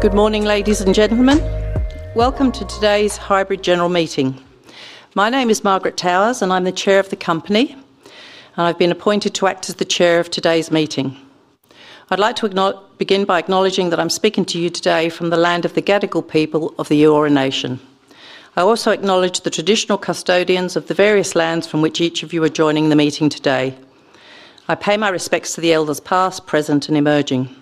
Good morning, ladies and gentlemen. Welcome to today's hybrid general meeting. My name is Margaret Towers, and I'm the Chair of the company. I've been appointed to act as the Chair of today's meeting. I'd like to begin by acknowledging that I'm speaking to you today from the land of the Gadigal people of the Eora Nation. I also acknowledge the traditional custodians of the various lands from which each of you are joining the meeting today. I pay my respects to the elders past, present, and emerging.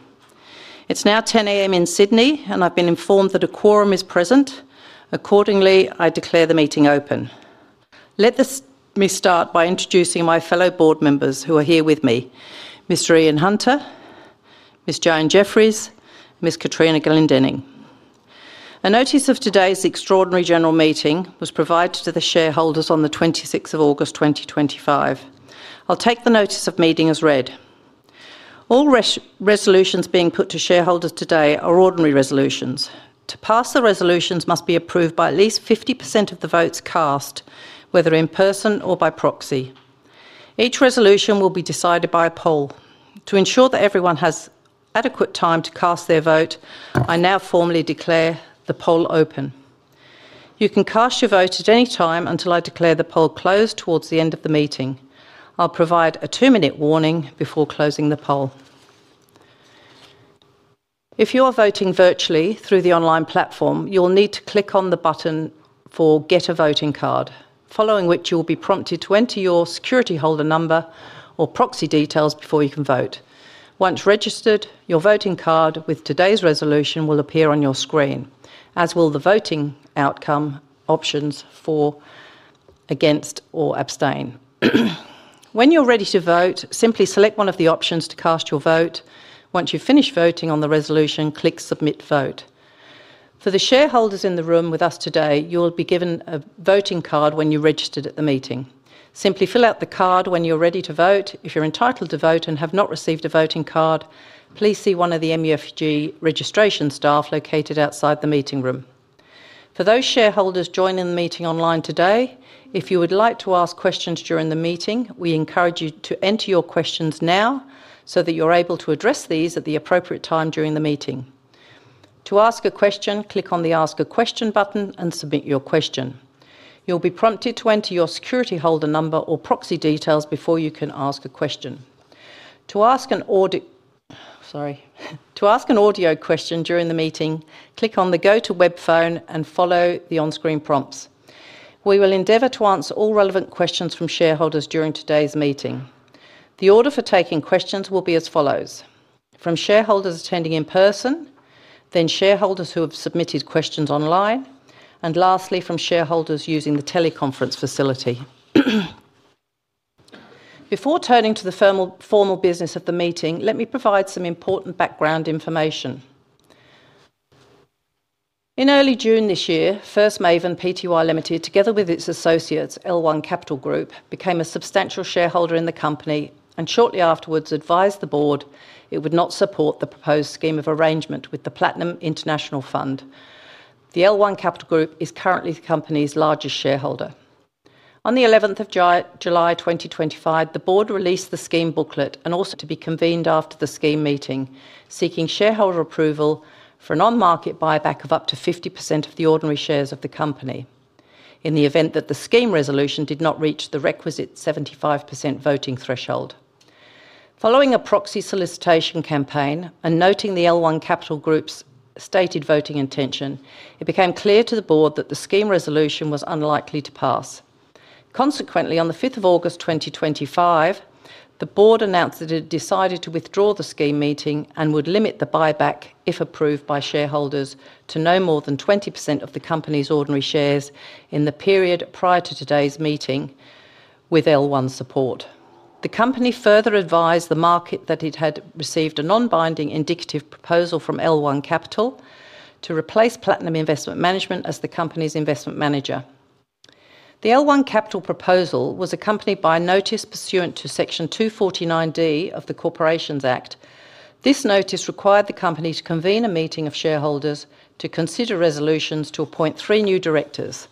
It's now 10:00 A.M. in Sydney, and I've been informed that a quorum is present. Accordingly, I declare the meeting open. Let me start by introducing my fellow Board members who are here with me: Mr. Ian Hunter, Ms. Joanne Jefferies, and Ms. Katrina Glendinning. A notice of today's extraordinary general meeting was provided to the shareholders on the 26th of August 2025. I'll take the notice of meeting as read. All resolutions being put to shareholders today are ordinary resolutions. To pass, the resolutions must be approved by at least 50% of the votes cast, whether in person or by proxy. Each resolution will be decided by a poll. To ensure that everyone has adequate time to cast their vote, I now formally declare the poll open. You can cast your vote at any time until I declare the poll closed towards the end of the meeting. I'll provide a two-minute warning before closing the poll. If you are voting virtually through the online platform, you'll need to click on the button for "Get a Voting Card," following which you'll be prompted to enter your security holder number or proxy details before you can vote. Once registered, your voting card with today's resolution will appear on your screen, as will the voting outcome options for, against, or abstain. When you're ready to vote, simply select one of the options to cast your vote. Once you've finished voting on the resolution, click "Submit Vote." For the shareholders in the room with us today, you'll be given a voting card when you registered at the meeting. Simply fill out the card when you're ready to vote. If you're entitled to vote and have not received a voting card, please see one of the MUFG registration staff located outside the meeting room. For those shareholders joining the meeting online today, if you would like to ask questions during the meeting, we encourage you to enter your questions now so that you're able to address these at the appropriate time during the meeting. To ask a question, click on the "Ask a Question" button and submit your question. You'll be prompted to enter your security holder number or proxy details before you can ask a question. To ask an audio question during the meeting, click on the "Go to Web" button and follow the on-screen prompts. We will endeavor to answer all relevant questions from shareholders during today's meeting. The order for taking questions will be as follows: from shareholders attending in person, then shareholders who have submitted questions online, and lastly, from shareholders using the teleconference facility. Before turning to the formal business of the meeting, let me provide some important background information. In early June this year, First Maven Pty Ltd, together with its associates, L1 Capital Group, became a substantial shareholder in the company and shortly afterwards advised the board it would not support the proposed scheme of arrangement with the Platinum International Fund. The L1 Capital Group is currently the company's largest shareholder. On 11th of July 2025, the board released the scheme booklet and asked to be convened after the scheme meeting, seeking shareholder approval for a non-market buyback of up to 50% of the ordinary shares of the company in the event that the scheme resolution did not reach the requisite 75% voting threshold. Following a proxy solicitation campaign and noting the L1 Capital Group's stated voting intention, it became clear to the board that the scheme resolution was unlikely to pass. Consequently, on 5th August 2025, the board announced that it had decided to withdraw the scheme meeting and would limit the buyback, if approved by shareholders, to no more than 20% of the company's ordinary shares in the period prior to today's meeting with L1 support. The company further advised the market that it had received a non-binding indicative proposal from L1 Capital to replace Platinum Investment Management as the company's investment manager. The L1 Capital proposal was accompanied by a notice pursuant to Section 249(d) of the Corporations Act. This notice required the company to convene a meeting of shareholders to consider resolutions to appoint three new directors,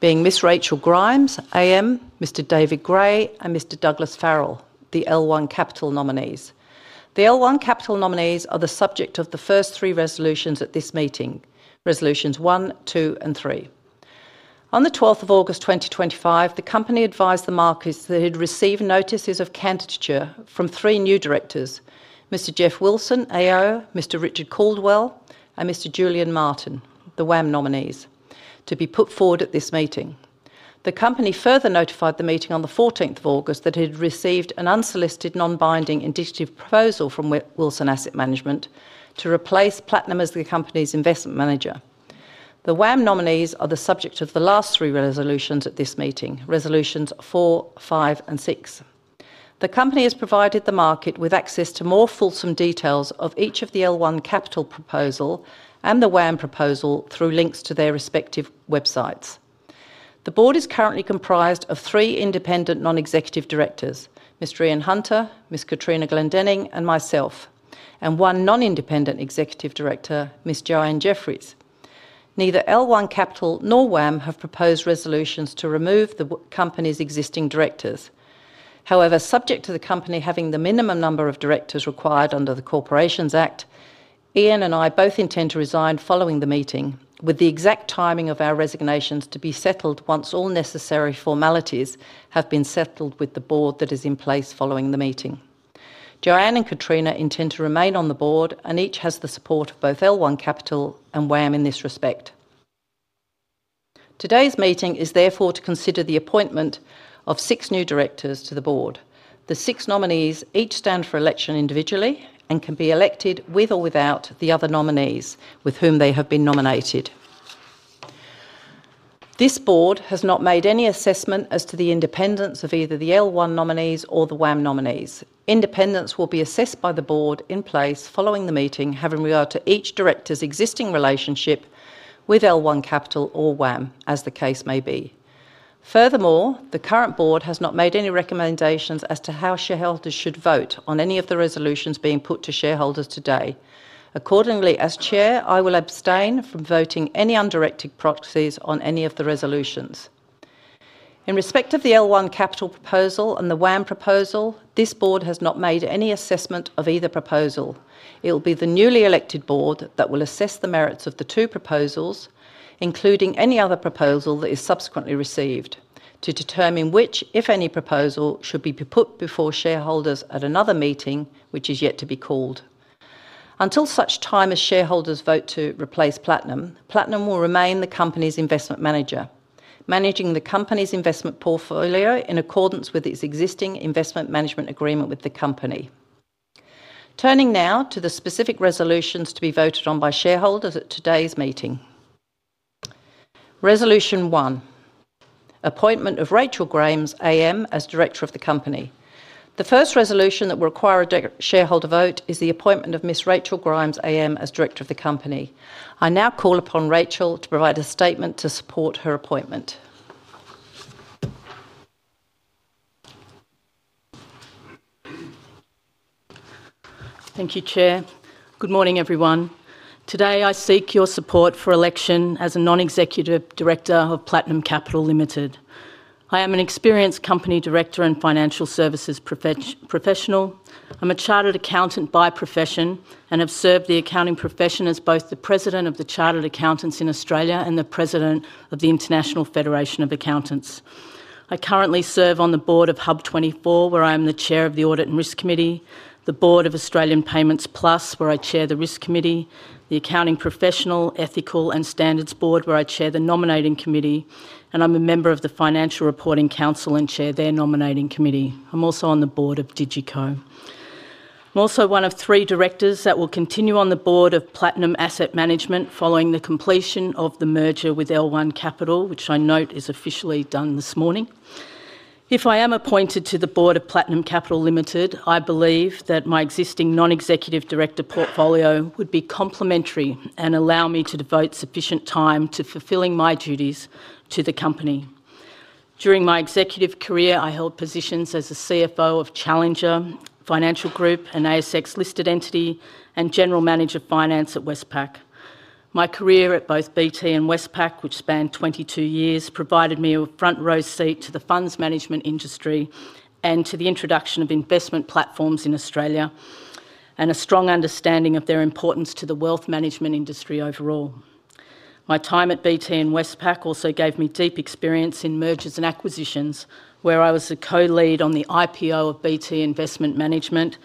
being Ms. Rachel Grimes AM, Mr. David Gray, and Mr. Douglas Farrell, the L1 Capital nominees. The L1 Capital nominees are the subject of the first three resolutions at this meeting: Resolutions 1, 2, and 3. On the 12th of August 2025, the company advised the market that it had received notices of candidature from three new directors, Mr. Geoff Wilson AO, Mr. Richard Caldwell, and Mr. Julian Martin, the WAM nominees, to be put forward at this meeting. The company further notified the meeting on the 14th of August that it had received an unsolicited non-binding indicative proposal from Wilson Asset Management to replace Platinum as the company's investment manager. The WAM nominees are the subject of the last three resolutions at this meeting: Resolutions 4, 5, and 6. The company has provided the market with access to more fulsome details of each of the L1 Capital proposal and the WAM proposal through links to their respective websites. The board is currently comprised of three independent non-executive directors: Ms. Ian Hunter, Ms. Katrina Glendinning, and myself, and one non-independent executive director, Ms. Joanne Jefferies. Neither L1 Capital nor WAM have proposed resolutions to remove the company's existing directors. However, subject to the company having the minimum number of directors required under the Corporations Act, Ian and I both intend to resign following the meeting, with the exact timing of our resignations to be settled once all necessary formalities have been settled with the board that is in place following the meeting. Joanne and Katrina intend to remain on the board, and each has the support of both L1 Capital and WAM in this respect. Today's meeting is therefore to consider the appointment of six new directors to the board. The six nominees each stand for election individually and can be elected with or without the other nominees with whom they have been nominated. This board has not made any assessment as to the independence of either the L1 nominees or the WAM nominees. Independence will be assessed by the board in place following the meeting, having regard to each director's existing relationship with L1 Capital or WAM, as the case may be. Furthermore, the current board has not made any recommendations as to how shareholders should vote on any of the resolutions being put to shareholders today. Accordingly, as Chair, I will abstain from voting any undirected proxies on any of the resolutions. In respect of the L1 Capital proposal and the WAM proposal, this board has not made any assessment of either proposal. It will be the newly elected board that will assess the merits of the two proposals, including any other proposal that is subsequently received, to determine which, if any, proposal should be put before shareholders at another meeting, which is yet to be called. Until such time as shareholders vote to replace Platinum, Platinum will remain the company's investment manager, managing the company's investment portfolio in accordance with its existing investment management agreement with the company. Turning now to the specific resolutions to be voted on by shareholders at today's meeting. Resolution 1: Appointment of Rachel Grimes AM as Director of the Company. The first resolution that will require a shareholder vote is the appointment of Ms. Rachel Grimes AM as Director of the Company. I now call upon Rachel to provide a statement to support her appointment. Thank you, Chair. Good morning, everyone. Today I seek your support for election as a Non-Executive Director of Platinum Capital Limited. I am an experienced company director and financial services professional. I'm a Chartered Accountant by profession and have served the accounting profession as both the President of the Chartered Accountants in Australia and the President of the International Federation of Accountants. I currently serve on the board of Hub24, where I am the Chair of the Audit and Risk Committee, the board of Australian Payments Plus, where I chair the Risk Committee, the Accounting Professional, Ethical, and Standards Board, where I chair the Nominating Committee, and I'm a member of the Financial Reporting Council and chair their Nominating Committee. I'm also on the board of DigiCo. I'm also one of three directors that will continue on the board of Platinum Asset Management following the completion of the merger with L1 Capital, which I note is officially done this morning. If I am appointed to the board of Platinum Capital Limited, I believe that my existing Non-Executive Director portfolio would be complementary and allow me to devote sufficient time to fulfilling my duties to the company. During my executive career, I held positions as a CFO of Challenger Financial Group, an ASX-listed entity, and General Manager Finance at Westpac. My career at both BT and Westpac, which spanned 22 years, provided me a front-row seat to the funds management industry and to the introduction of investment platforms in Australia and a strong understanding of their importance to the wealth management industry overall. My time at BT and Westpac also gave me deep experience in mergers and acquisitions, where I was a co-lead on the IPO of BT Investment Management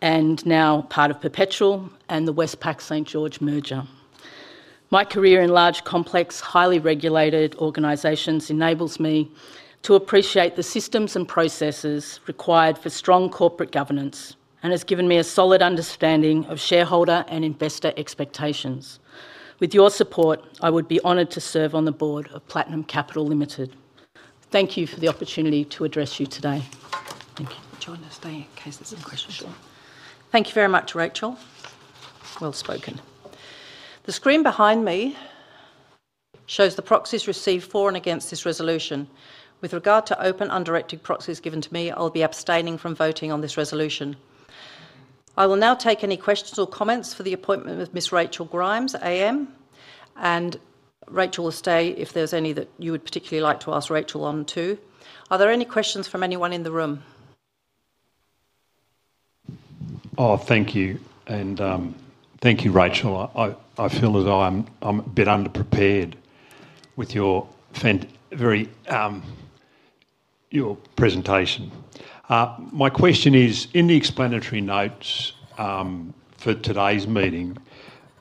and now part of Perpetual and the Westpac St. George merger. My career in large, complex, highly regulated organizations enables me to appreciate the systems and processes required for strong corporate governance and has given me a solid understanding of shareholder and investor expectations. With your support, I would be honored to serve on the board of Platinum Capital Limited. Thank you for the opportunity to address you today. Thank you. Join us, Dane, in case there's some questions you're sure. Thank you very much, Rachel. Well spoken. The screen behind me shows the proxies received for and against this resolution. With regard to open undirected proxies given to me, I'll be abstaining from voting on this resolution. I will now take any questions or comments for the appointment of Ms. Rachel Grimes AM, and Rachel will stay if there's any that you would particularly like to ask Rachel on too. Are there any questions from anyone in the room? Thank you, and thank you, Rachel. I feel as though I'm a bit underprepared with your presentation. My question is in the explanatory notes for today's meeting,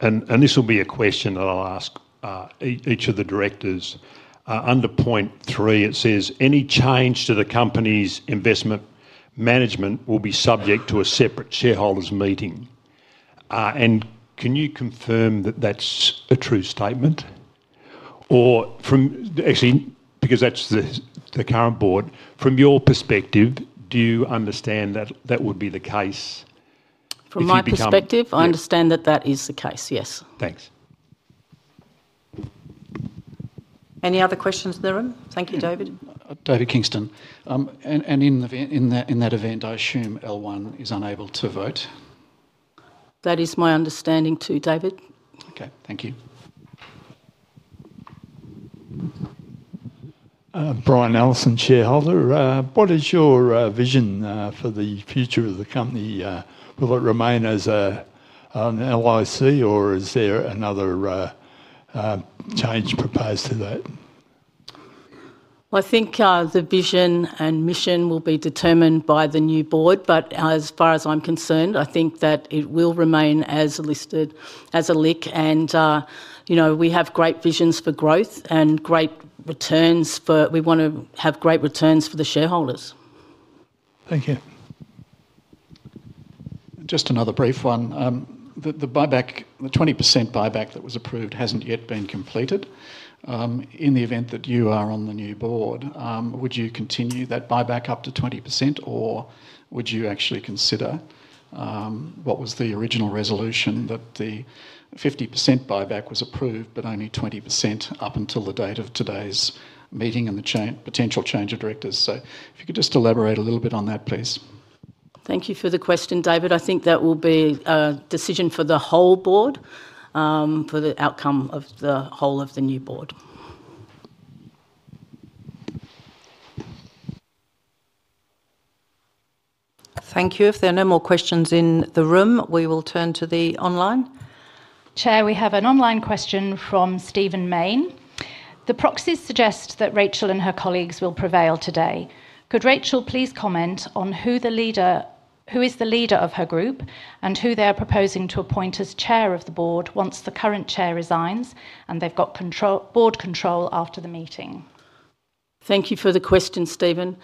and this will be a question that I'll ask each of the directors. Under point three, it says, "Any change to the company's investment management will be subject to a separate shareholders' meeting." Can you confirm that that's a true statement? From your perspective, do you understand that that would be the case? From my perspective, I understand that is the case, yes. Thanks. Any other questions in the room? Thank you, David. David Kingston. In that event, I assume L1 is unable to vote. That is my understanding too, David. Okay, thank you. What is your vision for the future of the company? Will it remain as an LLC, or is there another change proposed to that? I think the vision and mission will be determined by the new board, but as far as I'm concerned, I think that it will remain listed as a LIC, and we have great visions for growth and great returns for we want to have great returns for the shareholders. Thank you. Just another brief one. The buyback, the 20% buyback that was approved, hasn't yet been completed. In the event that you are on the new board, would you continue that buyback up to 20%, or would you actually consider what was the original resolution that the 50% buyback was approved, but only 20% up until the date of today's meeting and the potential change of directors? If you could just elaborate a little bit on that, please. Thank you for the question, David. I think that will be a decision for the whole board for the outcome of the whole of the new board. Thank you. If there are no more questions in the room, we will turn to the online. Chair, we have an online question from Stephen Mayne. The proxies suggest that Rachel and her colleagues will prevail today. Could Rachel please comment on who is the leader of her group and who they are proposing to appoint as Chair of the Board once the current Chair resigns and they've got board control after the meeting? Thank you for the question, Stephen.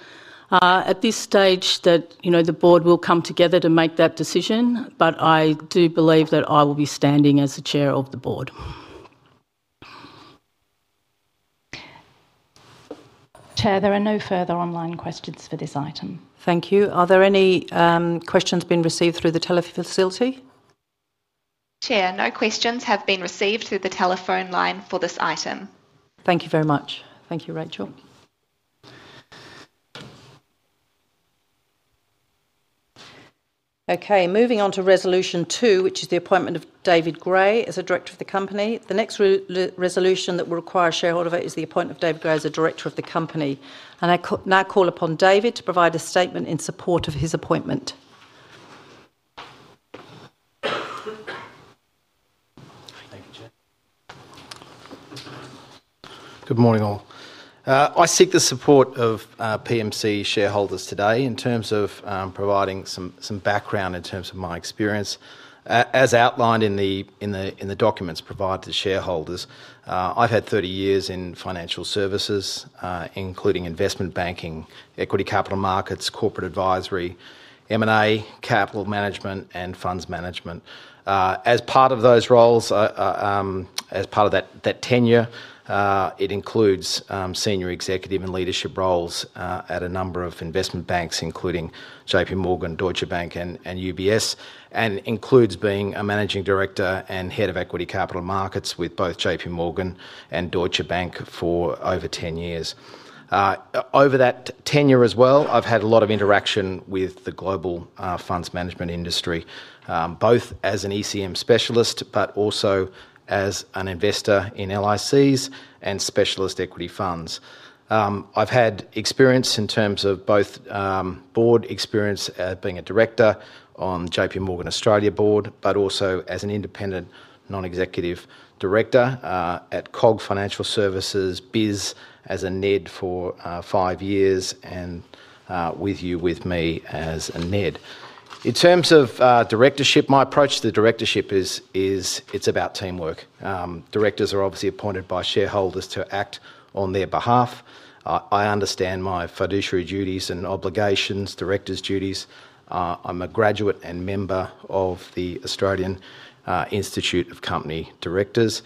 At this stage, the Board will come together to make that decision, but I do believe that I will be standing as the Chair of the Board. Chair, there are no further online questions for this item. Thank you. Are there any questions being received through the telephone facility? Chair, no questions have been received through the telephone line for this item. Thank you very much. Thank you, Rachel. Okay, moving on to resolution two, which is the appointment of David Gray as a Director of the company. The next resolution that will require a shareholder vote is the appointment of David Gray as a Director of the company, and I now call upon David to provide a statement in support of his appointment. Good morning all. I seek the support of PMC shareholders today in terms of providing some background in terms of my experience. As outlined in the documents provided to shareholders, I've had 30 years in financial services, including investment banking, equity capital markets, corporate advisory, M&A, capital management, and funds management. As part of those roles, as part of that tenure, it includes senior executive and leadership roles at a number of investment banks, including JPMorgan, Deutsche Bank, and UBS, and includes being a Managing Director and Head of Equity Capital Markets with both JPMorgan and Deutsche Bank for over 10 years. Over that tenure as well, I've had a lot of interaction with the global funds management industry, both as an ECM specialist, but also as an investor in LICs and specialist equity funds. I've had experience in terms of both board experience as being a director on JPMorgan Australia board, but also as an Independent Non-Executive Director at Kogg Financial Services Biz as a NED for five years and With You With Me as a NED. In terms of directorship, my approach to directorship is it's about teamwork. Directors are obviously appointed by shareholders to act on their behalf. I understand my fiduciary duties and obligations, director's duties. I'm a graduate and member of the Australian Institute of Company Directors.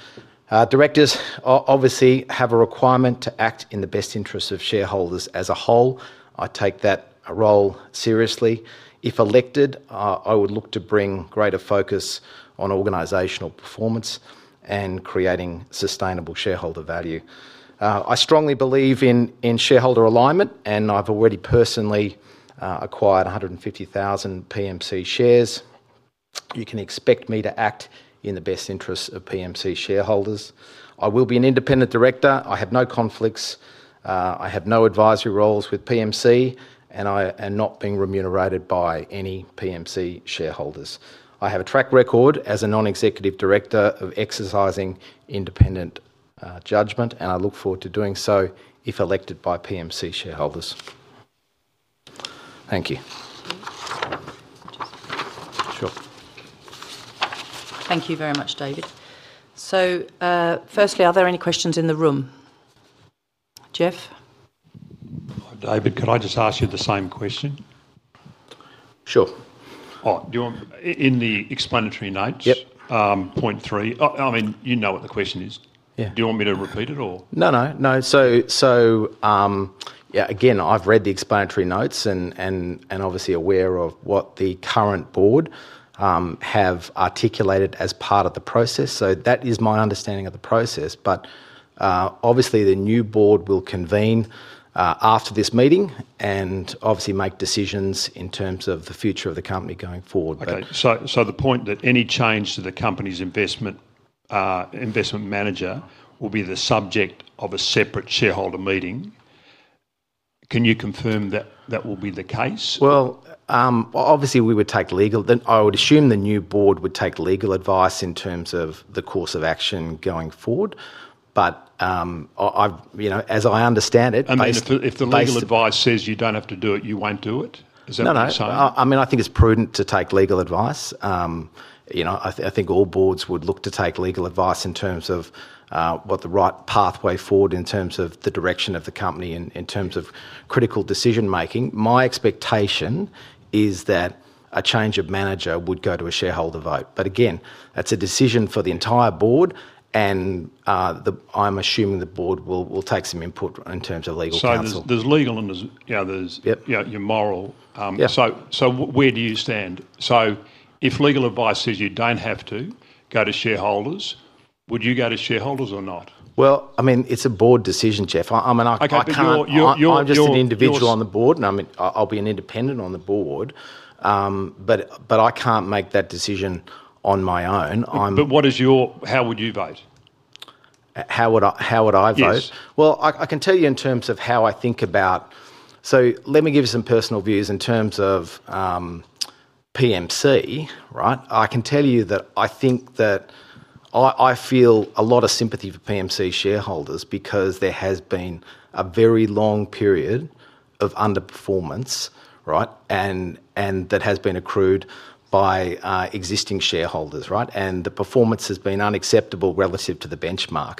Directors obviously have a requirement to act in the best interests of shareholders as a whole. I take that role seriously. If elected, I would look to bring greater focus on organizational performance and creating sustainable shareholder value. I strongly believe in shareholder alignment, and I've already personally acquired 150,000 PMC shares. You can expect me to act in the best interests of PMC shareholders. I will be an independent director. I have no conflicts. I have no advisory roles with PMC, and I am not being remunerated by any PMC shareholders. I have a track record as a Non-Executive Director of exercising independent judgment, and I look forward to doing so if elected by PMC shareholders. Thank you. Thank you very much, David. Firstly, are there any questions in the room? Geoff? David, could I just ask you the same question? Sure. All right. In the explanatory notes, point three, you know what the question is. Yeah. Do you want me to repeat it? I've read the explanatory notes and obviously am aware of what the current board has articulated as part of the process. That is my understanding of the process. Obviously, the new board will convene after this meeting and make decisions in terms of the future of the company going forward. Okay. The point that any change to the company's investment manager will be the subject of a separate shareholder meeting. Can you confirm that that will be the case? Obviously, we would take legal advice, then I would assume the new board would take legal advice in terms of the course of action going forward. As I understand it. If the legal advice says you don't have to do it, you won't do it. No, no. I think it's prudent to take legal advice. I think all boards would look to take legal advice in terms of what the right pathway forward is in terms of the direction of the company and in terms of critical decision-making. My expectation is that a change of manager would go to a shareholder vote. Again, that's a decision for the entire board, and I'm assuming the board will take some input in terms of legal advice. There is legal and there is your moral. Yeah. Where do you stand? If legal advice says you don't have to go to shareholders, would you go to shareholders or not? It's a board decision, Geoff. I can't be an individual on the board, and I'll be an independent on the board, but I can't make that decision on my own. What is your, how would you vote? How would I vote? Yes. I can tell you in terms of how I think about it, let me give you some personal views in terms of PMC, right? I can tell you that I think that I feel a lot of sympathy for PMC shareholders because there has been a very long period of underperformance, right? That has been accrued by existing shareholders, right? The performance has been unacceptable relative to the benchmark.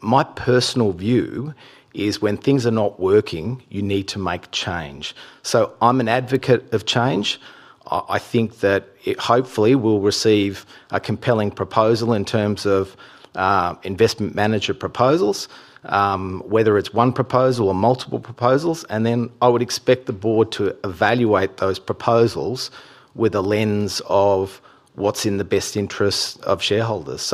My personal view is when things are not working, you need to make change. I'm an advocate of change. I think that it hopefully will receive a compelling proposal in terms of investment manager proposals, whether it's one proposal or multiple proposals. I would expect the board to evaluate those proposals with a lens of what's in the best interests of shareholders.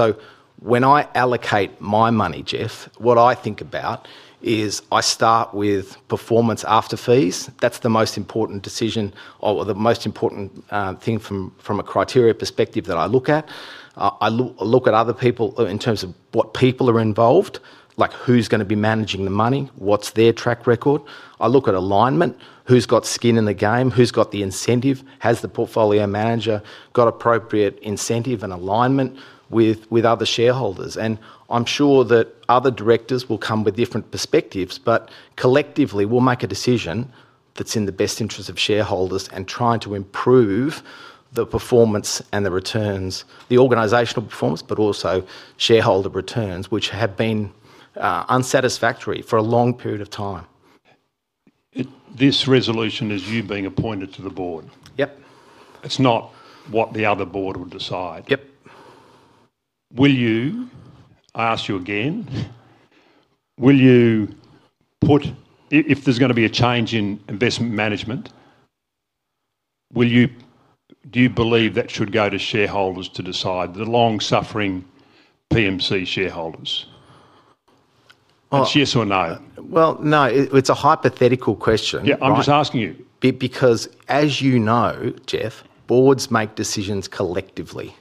When I allocate my money, Geoff, what I think about is I start with performance after fees. That's the most important decision or the most important thing from a criteria perspective that I look at. I look at other people in terms of what people are involved, like who's going to be managing the money, what's their track record. I look at alignment, who's got skin in the game, who's got the incentive, has the portfolio manager got appropriate incentive and alignment with other shareholders. I'm sure that other directors will come with different perspectives, but collectively we'll make a decision that's in the best interests of shareholders and trying to improve the performance and the returns, the organizational performance, but also shareholder returns, which have been unsatisfactory for a long period of time. This resolution is you being appointed to the Board. Yep. It's not what the other board will decide. Yep. Will you, I ask you again, will you put, if there's going to be a change in investment management, will you, do you believe that should go to shareholders to decide, the long-suffering PMC shareholders? Is this yes or no? No, it's a hypothetical question. Yeah, I'm just asking you. Because, as you know, Geoff, boards make decisions collectively.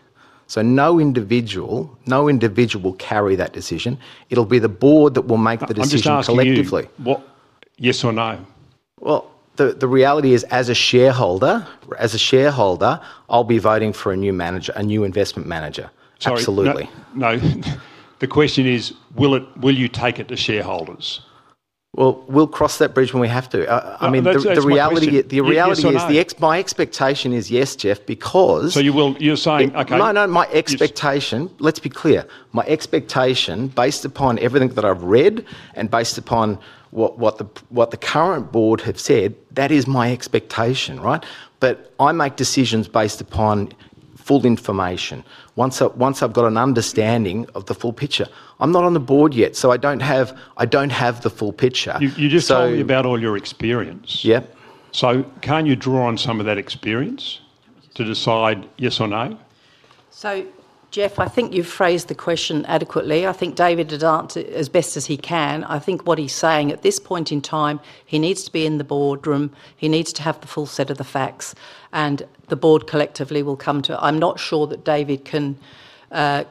No individual will carry that decision. It'll be the board that will make the decision collectively. I'm just asking, what, yes or no? As a shareholder, as a shareholder, I'll be voting for a new manager, a new investment manager. Absolutely. No, the question is, will you take it to shareholders? I mean, the reality is, my expectation is yes, Geoff, because. You're saying, okay. No, my expectation, let's be clear, my expectation based upon everything that I've read and based upon what the current board have said, that is my expectation, right? I make decisions based upon full information. Once I've got an understanding of the full picture, I'm not on the board yet, so I don't have the full picture. You just told me about all your experience. Yep. Can't you draw on some of that experience to decide yes or no? Geoff, I think you've phrased the question adequately. I think David had answered as best as he can. I think what he's saying at this point in time, he needs to be in the boardroom, he needs to have the full set of the facts, and the board collectively will come to it. I'm not sure that David can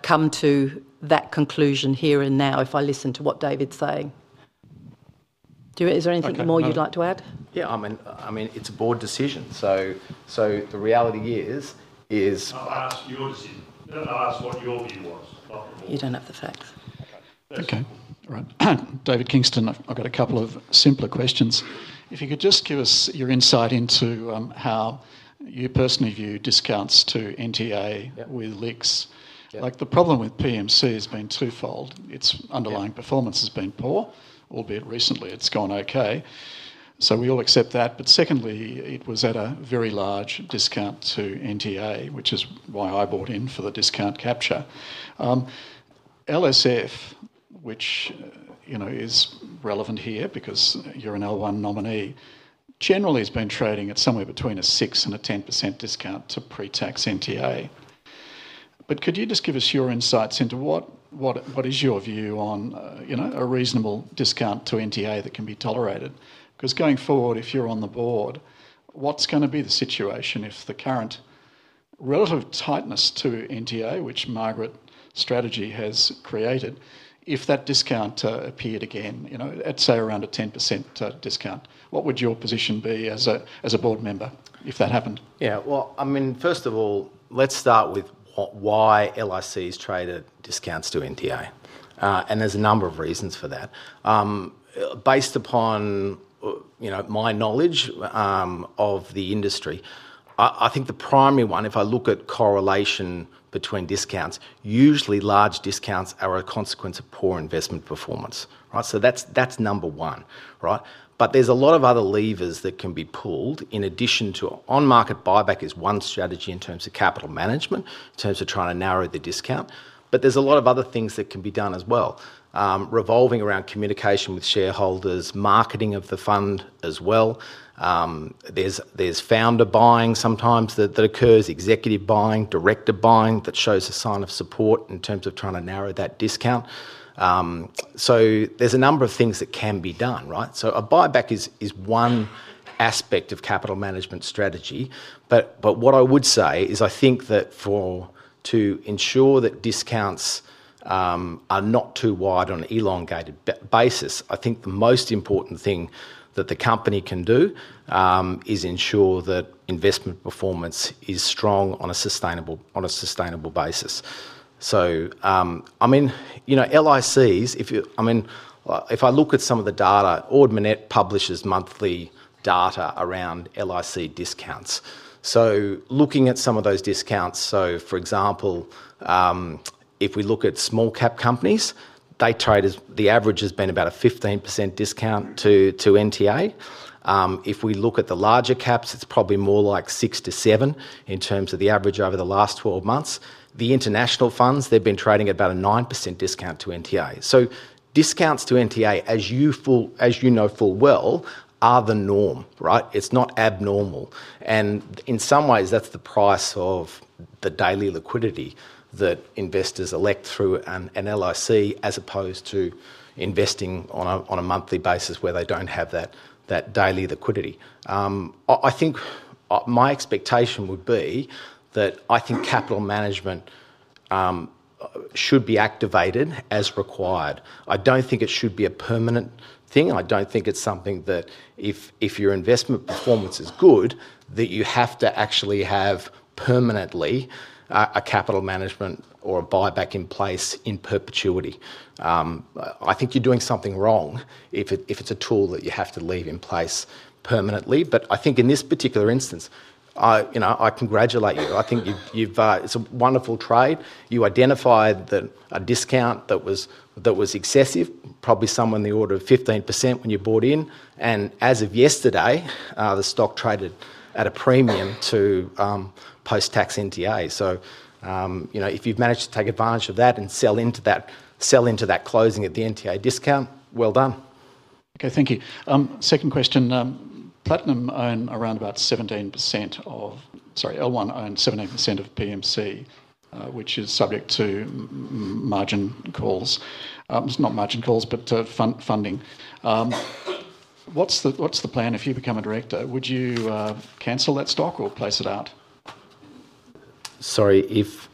come to that conclusion here and now if I listen to what David's saying. Is there anything more you'd like to add? I mean, it's a board decision. The reality is, is. I've asked your decision. I've asked what your view was. You don't have the facts. Okay, all right. David Kingston, I've got a couple of simpler questions. If you could just give us your insight into how you personally view discounts to NTA with LICs. The problem with PMC has been twofold. Its underlying performance has been poor, albeit recently it's gone okay. We all accept that. Secondly, it was at a very large discount to NTA, which is why I bought in for the discount capture. LSF, which you know is relevant here because you're an L1 nominee, generally has been trading at somewhere between a 6% and a 10% discount to pre-tax NTA. Could you just give us your insights into what is your view on a reasonable discount to NTA that can be tolerated? Going forward, if you're on the board, what's going to be the situation if the current relative tightness to NTA, which Margaret's strategy has created, if that discount appeared again at, say, around a 10% discount, what would your position be as a board member if that happened? First of all, let's start with why LICs trade at discounts to NTA. There are a number of reasons for that. Based upon my knowledge of the industry, I think the primary one, if I look at correlation between discounts, usually large discounts are a consequence of poor investment performance. That's number one. There are a lot of other levers that can be pulled in addition to on-market buyback as one strategy in terms of capital management, in terms of trying to narrow the discount. There are a lot of other things that can be done as well, revolving around communication with shareholders and marketing of the fund as well. There's founder buying sometimes that occurs, executive buying, director buying that shows a sign of support in terms of trying to narrow that discount. There are a number of things that can be done. A buyback is one aspect of capital management strategy. What I would say is I think that to ensure that discounts are not too wide on an elongated basis, the most important thing that the company can do is ensure that investment performance is strong on a sustainable basis. LICs, if you, if I look at some of the data, Ord Minnett publishes monthly data around LIC discounts. Looking at some of those discounts, for example, if we look at small-cap companies, the average has been about a 15% discount to NTA. If we look at the larger caps, it's probably more like 6%-7% in terms of the average over the last 12 months. The international funds have been trading at about a 9% discount to NTA. Discounts to NTA, as you know full well, are the norm. It's not abnormal. In some ways, that's the price of the daily liquidity that investors elect through an LIC as opposed to investing on a monthly basis where they don't have that daily liquidity. My expectation would be that capital management should be activated as required. I don't think it should be a permanent thing. I don't think it's something that if your investment performance is good, that you have to actually have permanently a capital management or a buyback in place in perpetuity. You're doing something wrong if it's a tool that you have to leave in place permanently. In this particular instance, I congratulate you. I think it's a wonderful trade. You identified a discount that was excessive, probably somewhere in the order of 15% when you bought in. As of yesterday, the stock traded at a premium to post-tax NTA. If you've managed to take advantage of that and sell into that, sell into that closing at the NTA discount, well done. Okay, thank you. Second question, Platinum owned around about 17% of, sorry, L1 owned 17% of PMC, which is subject to margin calls. It's not margin calls, but funding. What's the plan if you become a director? Would you cancel that stock or place it out? Sorry, if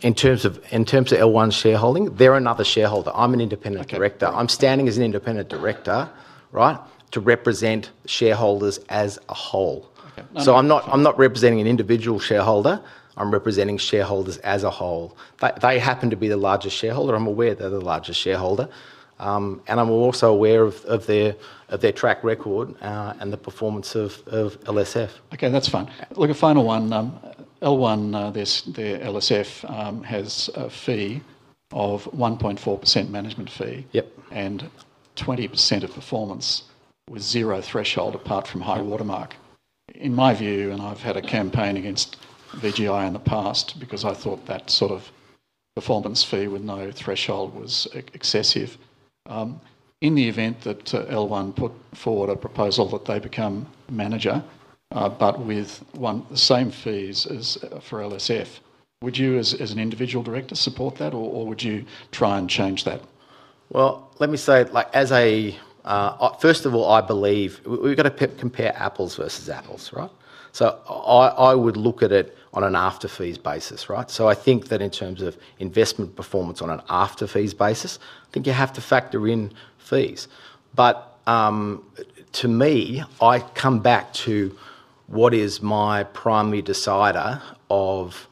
in terms of L1 shareholding, they're another shareholder. I'm an Independent Director. I'm standing as an Independent Director, right, to represent shareholders as a whole. I'm not representing an individual shareholder. I'm representing shareholders as a whole. They happen to be the largest shareholder. I'm aware they're the largest shareholder. I'm also aware of their track record and the performance of LSF. Okay, that's fine. Like a final one, L1, their LSF has a fee of 1.4% management fee and 20% of performance with zero threshold apart from high watermark. In my view, and I've had a campaign against VGI in the past because I thought that sort of performance fee with no threshold was excessive. In the event that L1 put forward a proposal that they become manager, but with the same fees as for LSF, would you as an individual director support that or would you try and change that? I believe we've got to compare apples versus apples, right? I would look at it on an after-fees basis, right? I think that in terms of investment performance on an after-fees basis, you have to factor in fees. To me, I come back to what is my primary decider of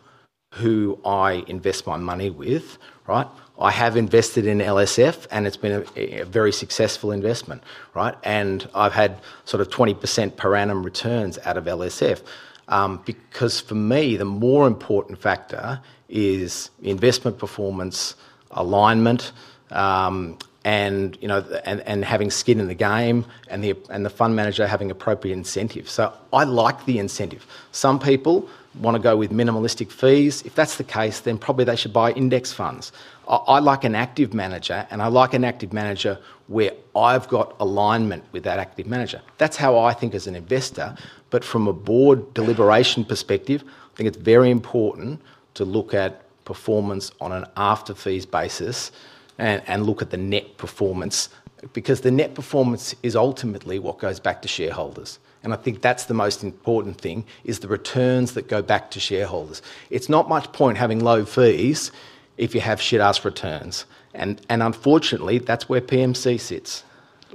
who I invest my money with, right? I have invested in LSF and it's been a very successful investment, right? I've had sort of 20% per annum returns out of LSF. For me, the more important factor is investment performance, alignment, and having skin in the game, and the fund manager having appropriate incentive. I like the incentive. Some people want to go with minimalistic fees. If that's the case, then probably they should buy index funds. I like an active manager, and I like an active manager where I've got alignment with that active manager. That's how I think as an investor. From a board deliberation perspective, I think it's very important to look at performance on an after-fees basis and look at the net performance because the net performance is ultimately what goes back to shareholders. I think that's the most important thing, the returns that go back to shareholders. It's not much point having low fees if you have shit-ass returns. Unfortunately, that's where PMC sits.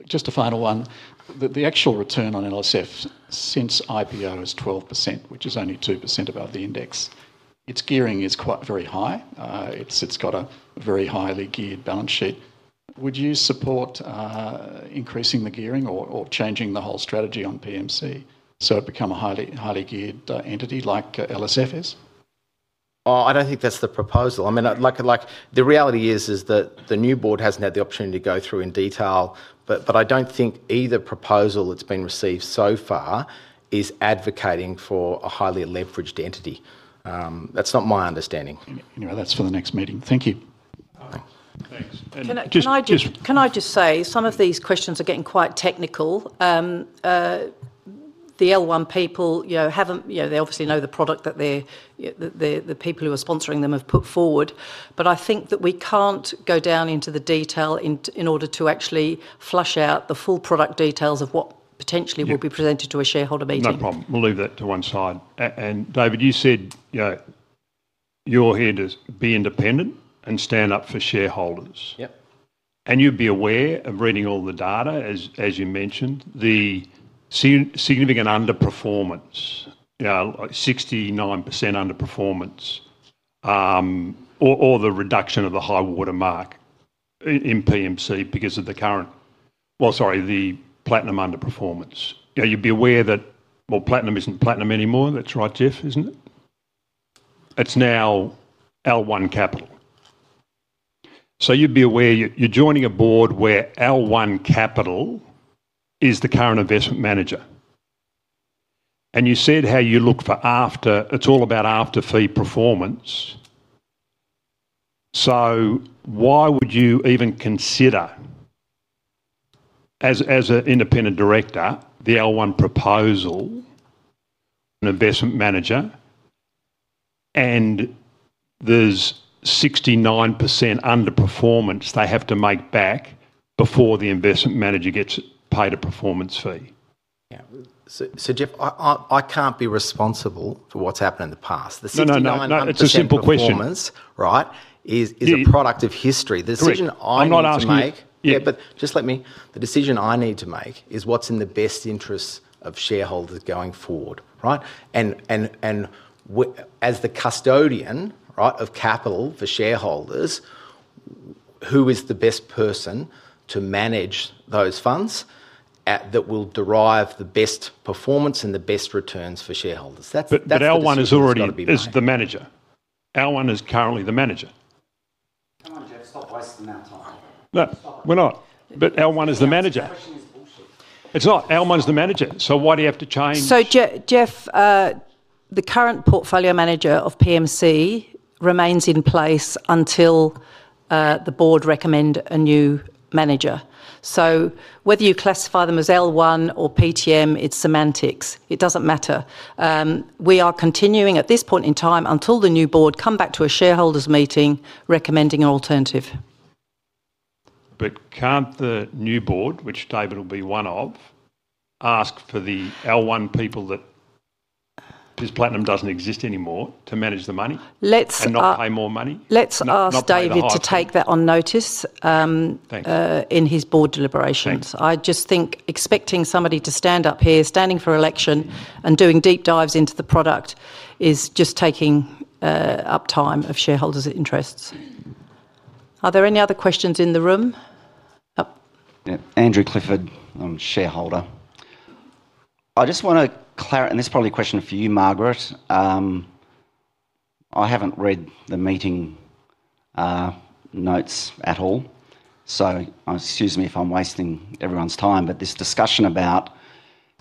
Just a final one. The actual return on LSF since IPO is 12%, which is only 2% above the index. Its gearing is quite very high. It's got a very highly geared balance sheet. Would you support increasing the gearing or changing the whole strategy on PMC so it becomes a highly geared entity like LSF is? I don't think that's the proposal. The reality is that the new board hasn't had the opportunity to go through in detail, but I don't think either proposal that's been received so far is advocating for a highly leveraged entity. That's not my understanding. Anyway, that's for the next meeting. Thank you. Thanks. Can I just say some of these questions are getting quite technical. The L1 people obviously know the product that the people who are sponsoring them have put forward. I think that we can't go down into the detail in order to actually flush out the full product details of what potentially will be presented to a shareholder meeting. No problem. We'll leave that to one side. David, you said, you know, you're here to be independent and stand up for shareholders. Yeah. You'd be aware of reading all the data, as you mentioned, the significant underperformance, like 69% underperformance or the reduction of the high watermark in PMC because of the current Platinum underperformance. You'd be aware that Platinum isn't Platinum anymore. That's right, Geoff, isn't it? It's now L1 Capital. You'd be aware you're joining a board where L1 Capital is the current investment manager. You said how you look for after, it's all about after-fee performance. Why would you even consider as an independent director the L1 proposal, an investment manager, and there's 69% underperformance they have to make back before the investment manager gets paid a performance fee? Yeah, Geoff, I can't be responsible for what's happened in the past. No, no, no. It's a simple question. Performance, right, is a product of history. I'm not asking. Let me, the decision I need to make is what's in the best interests of shareholders going forward, right? As the custodian of capital for shareholders, who is the best person to manage those funds that will derive the best performance and the best returns for shareholders? L1 is already the manager. L1 is currently the manager. No, we're not, L1 is the manager. It's not, L1 is the manager. Why do you have to change? Geoff, the current portfolio manager of Platinum Capital Limited remains in place until the board recommends a new manager. Whether you classify them as L1 or PTM, it's semantics. It doesn't matter. We are continuing at this point in time until the new board comes back to a shareholders meeting recommending an alternative. Can't the new board, which David will be one of, ask for the L1 people, now that Platinum doesn't exist anymore, to manage the money and not pay more money? Let's ask David to take that on notice in his board deliberations. I just think expecting somebody to stand up here, standing for election, and doing deep dives into the product is just taking up time of shareholders' interests. Are there any other questions in the room? Andrew Clifford, I'm a shareholder. I just want to clarify, and this is probably a question for you, Margaret. I haven't read the meeting notes at all. Excuse me if I'm wasting everyone's time, but this discussion about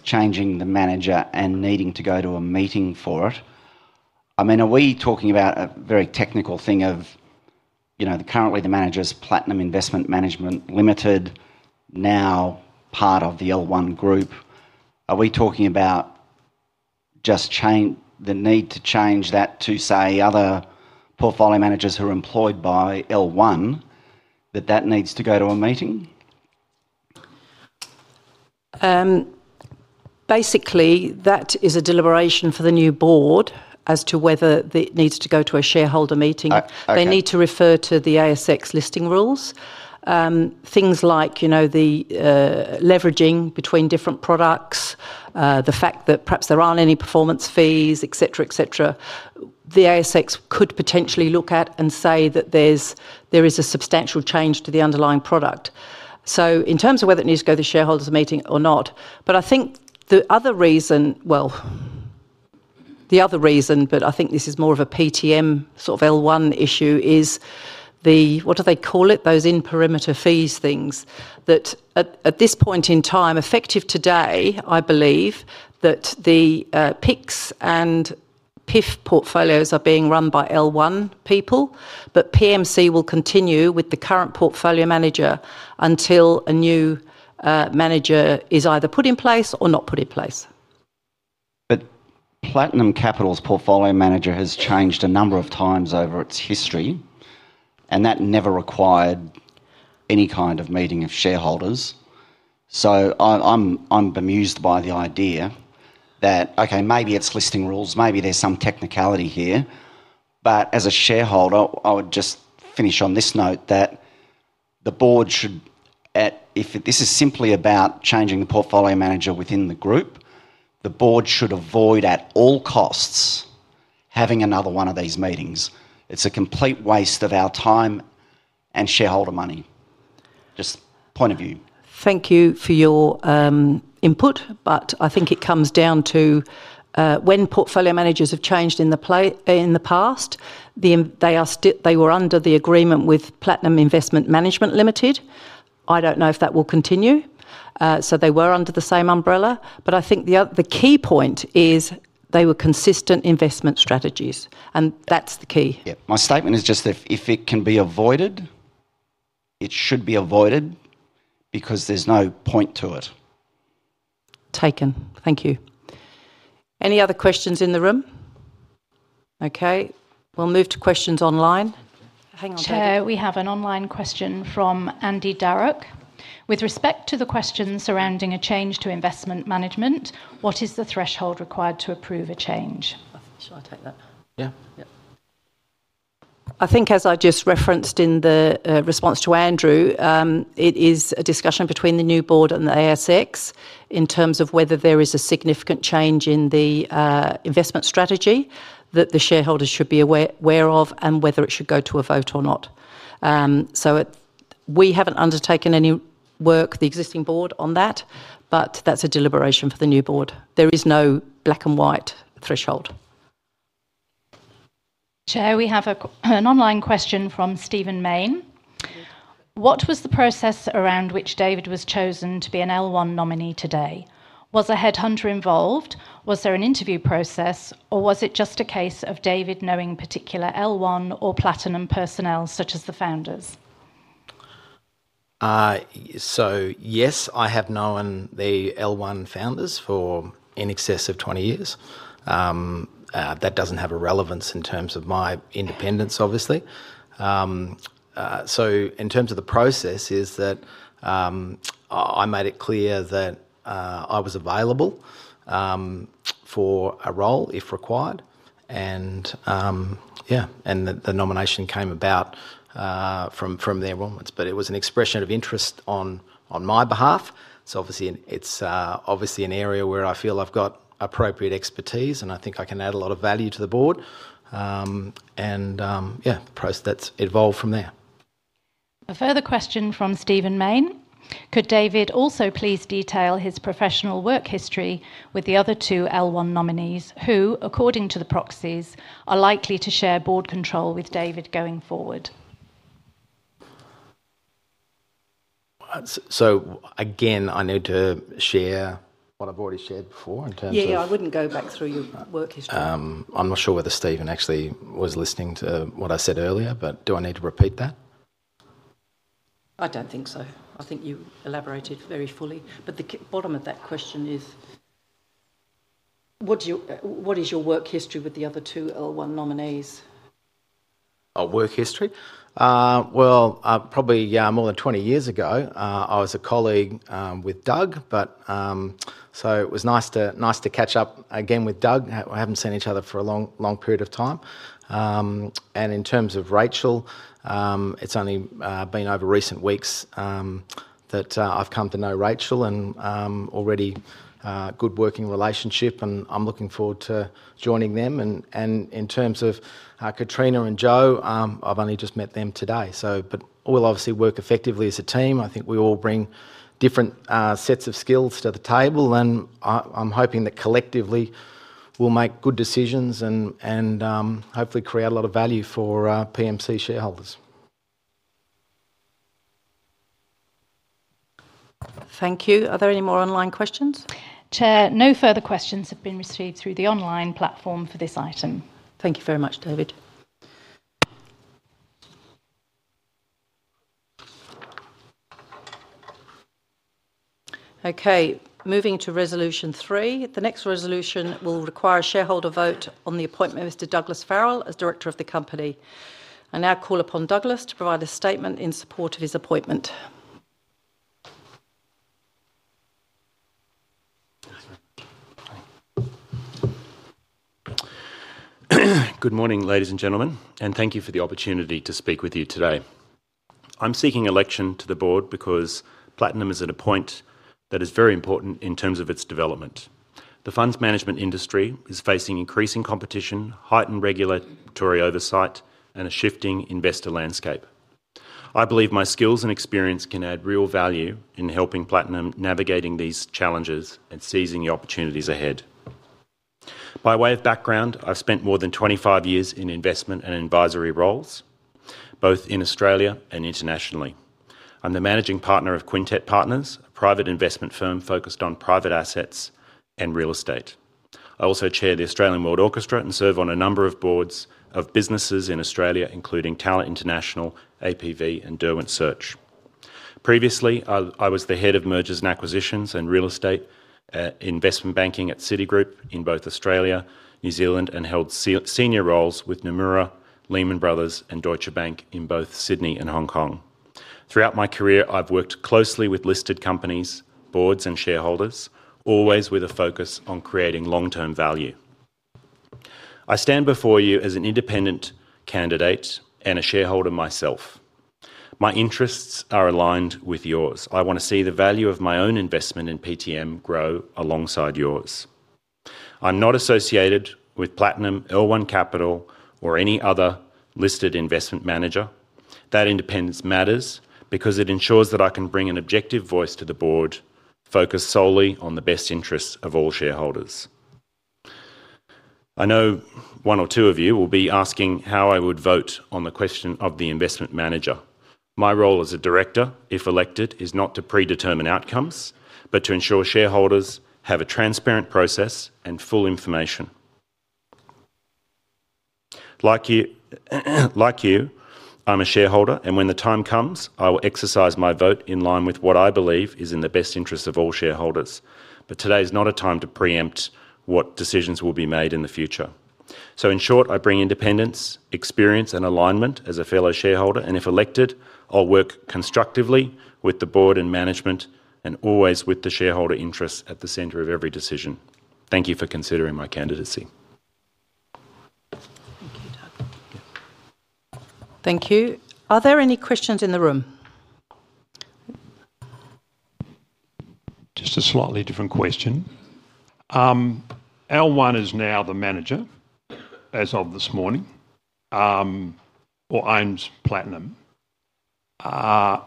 changing the manager and needing to go to a meeting for it, I mean, are we talking about a very technical thing of, you know, currently the manager's Platinum Investment Management Limited, now part of the L1 Group? Are we talking about just the need to change that to, say, other portfolio managers who are employed by L1, that that needs to go to a meeting? Basically, that is a deliberation for the new board as to whether it needs to go to a shareholder meeting. They need to refer to the ASX listing rules. Things like the leveraging between different products, the fact that perhaps there aren't any performance fees, et cetera. The ASX could potentially look at it and say that there is a substantial change to the underlying product. In terms of whether it needs to go to the shareholder meeting or not, I think the other reason, I think this is more of a PTM sort of L1 issue, is the, what do they call it, those in-perimeter fees things that at this point in time, effective today, I believe that the Platinum Capital Limited and PIF portfolios are being run by L1 people, but PMC will continue with the current portfolio manager until a new manager is either put in place or not put in place. Platinum Capital's portfolio manager has changed a number of times over its history, and that never required any kind of meeting of shareholders. I'm bemused by the idea that, okay, maybe it's listing rules, maybe there's some technicality here, but as a shareholder, I would just finish on this note that the board should, if this is simply about changing the portfolio manager within the group, the board should avoid at all costs having another one of these meetings. It's a complete waste of our time and shareholder money. Just point of view. Thank you for your input, but I think it comes down to when portfolio managers have changed in the past, they were under the agreement with Platinum Investment Management Limited. I don't know if that will continue. They were under the same umbrella, but I think the key point is they were consistent investment strategies, and that's the key. My statement is just if it can be avoided, it should be avoided because there's no point to it. Taken. Thank you. Any other questions in the room? Okay, we'll move to questions online. We have an online question from Andy Darroch. With respect to the question surrounding a change to investment management, what is the threshold required to approve a change? Shall I take that? Yeah. I think as I've just referenced in the response to Andrew, it is a discussion between the new board and the ASX in terms of whether there is a significant change in the investment strategy that the shareholders should be aware of and whether it should go to a vote or not. We haven't undertaken any work, the existing board on that, but that's a deliberation for the new board. There is no black and white threshold. We have an online question from Stephen Mayne. What was the process around which David was chosen to be an L1 nominee today? Was a headhunter involved? Was there an interview process, or was it just a case of David knowing particular L1 or Platinum personnel such as the founders? Yes, I have known the L1 founders for in excess of 20 years. That doesn't have a relevance in terms of my independence, obviously. In terms of the process, I made it clear that I was available for a role if required. The nomination came about from the enrollments, but it was an expression of interest on my behalf. Obviously, it's an area where I feel I've got appropriate expertise, and I think I can add a lot of value to the board. That's evolved from there. A further question from Stephen Mayne. Could David also please detail his professional work history with the other two L1 nominees who, according to the proxies, are likely to share board control with David going forward? I need to share what I've already shared before in terms of. Yeah, I wouldn't go back through your work history. I'm not sure whether Stephen actually was listening to what I said earlier. Do I need to repeat that? I don't think so. I think you elaborated very fully. The bottom of that question is, what is your work history with the other two L1 nominees? Oh, work history? Probably more than 20 years ago, I was a colleague with Doug, so it was nice to catch up again with Doug. I haven't seen each other for a long, long period of time. In terms of Rachel, it's only been over recent weeks that I've come to know Rachel and already a good working relationship, and I'm looking forward to joining them. In terms of Katrina and Jane, I've only just met them today, but we'll obviously work effectively as a team. I think we all bring different sets of skills to the table, and I'm hoping that collectively we'll make good decisions and hopefully create a lot of value for Platinum Capital Limited shareholders. Thank you. Are there any more online questions? Chair, no further questions have been received through the online platform for this item. Thank you very much, David. Okay, moving to resolution three. The next resolution will require a shareholder vote on the appointment of Mr. Douglas Farrell as Director of the company. I now call upon Douglas to provide a statement in support of his appointment. Good morning, ladies and gentlemen, and thank you for the opportunity to speak with you today. I'm seeking election to the board because Platinum is at a point that is very important in terms of its development. The funds management industry is facing increasing competition, heightened regulatory oversight, and a shifting investor landscape. I believe my skills and experience can add real value in helping Platinum navigate these challenges and seizing the opportunities ahead. By way of background, I've spent more than 25 years in investment and advisory roles, both in Australia and internationally. I'm the Managing Partner of Quintet Partners, a private investment firm focused on private assets and real estate. I also chair the Australian World Orchestra and serve on a number of boards of businesses in Australia, including Tower International, APV, and Derwent Search. Previously, I was the Head of Mergers and Acquisitions and Real Estate Investment Banking at Citigroup in both Australia and New Zealand, and held senior roles with Nomura, Lehman Brothers, and Deutsche Bank in both Sydney and Hong Kong. Throughout my career, I've worked closely with listed companies, boards, and shareholders, always with a focus on creating long-term value. I stand before you as an independent candidate and a shareholder myself. My interests are aligned with yours. I want to see the value of my own investment in PTM grow alongside yours. I'm not associated with Platinum, L1 Capital Group, or any other listed investment manager. That independence matters because it ensures that I can bring an objective voice to the board, focused solely on the best interests of all shareholders. I know one or two of you will be asking how I would vote on the question of the investment manager. My role as a director, if elected, is not to predetermine outcomes, but to ensure shareholders have a transparent process and full information. Like you, I'm a shareholder, and when the time comes, I will exercise my vote in line with what I believe is in the best interests of all shareholders. Today is not a time to preempt what decisions will be made in the future. In short, I bring independence, experience, and alignment as a fellow shareholder, and if elected, I'll work constructively with the board and management and always with the shareholder interests at the center of every decision. Thank you for considering my candidacy. Thank you. Are there any questions in the room? Just a slightly different question. L1 is now the manager, as of this morning, or owns Platinum. Why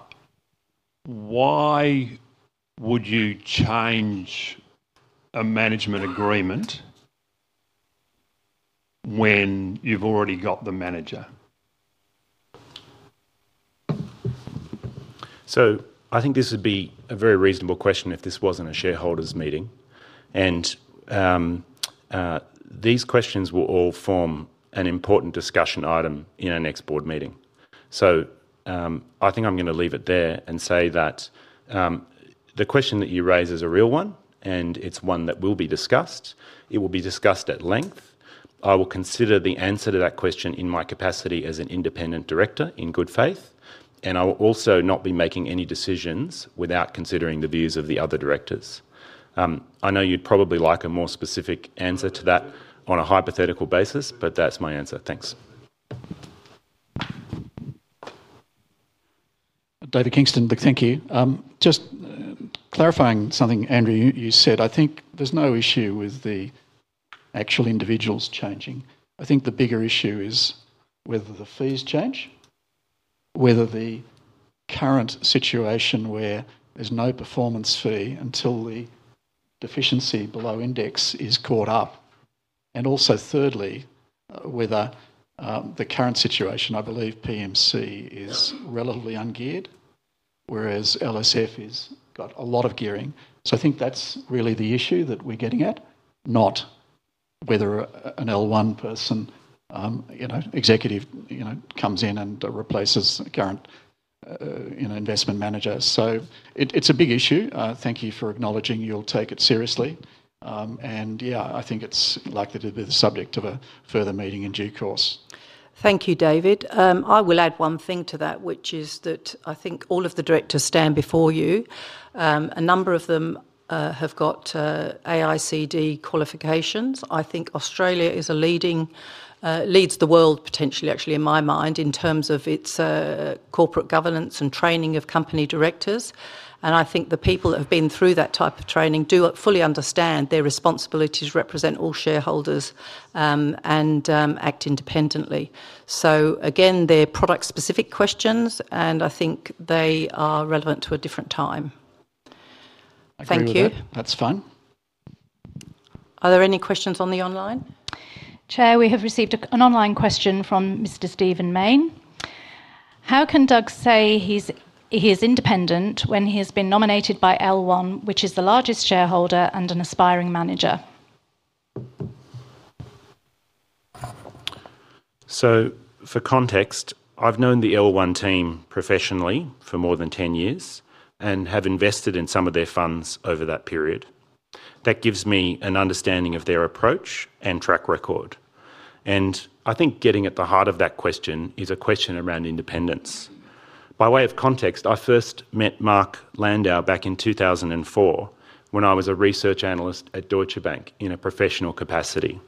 would you change a management agreement when you've already got the manager? I think this would be a very reasonable question if this wasn't a shareholders meeting. These questions will all form an important discussion item in our next board meeting. I am going to leave it there and say that the question that you raise is a real one, and it's one that will be discussed. It will be discussed at length. I will consider the answer to that question in my capacity as an independent director in good faith. I will also not be making any decisions without considering the views of the other directors. I know you'd probably like a more specific answer to that on a hypothetical basis, but that's my answer. Thanks. David Kingston, thank you. Just clarifying something, Andrew, you said, I think there's no issue with the actual individuals changing. I think the bigger issue is whether the fees change, whether the current situation where there's no performance fee until the deficiency below index is caught up. Also, whether the current situation, I believe PMC is relatively ungeared, whereas L1 Capital Group has got a lot of gearing. I think that's really the issue that we're getting at, not whether an L1 person, you know, executive, comes in and replaces a current, you know, investment manager. It's a big issue. Thank you for acknowledging you'll take it seriously. I think it's likely to be the subject of a further meeting in due course. Thank you, David. I will add one thing to that, which is that I think all of the directors stand before you. A number of them have got AICD qualifications. I think Australia leads the world potentially, actually, in my mind, in terms of its corporate governance and training of company directors. I think the people that have been through that type of training do fully understand their responsibilities, represent all shareholders, and act independently. They're product-specific questions, and I think they are relevant to a different time. Thank you. That's fine. Are there any questions online? Chair, we have received an online question from Mr. Stephen Mayne. How can Doug say he's independent when he has been nominated by L1, which is the largest shareholder and an aspiring manager? For context, I've known the L1 team professionally for more than 10 years and have invested in some of their funds over that period. That gives me an understanding of their approach and track record. I think getting at the heart of that question is a question around independence. By way of context, I first met Mark Landau back in 2004 when I was a research analyst at Deutsche Bank in a professional capacity.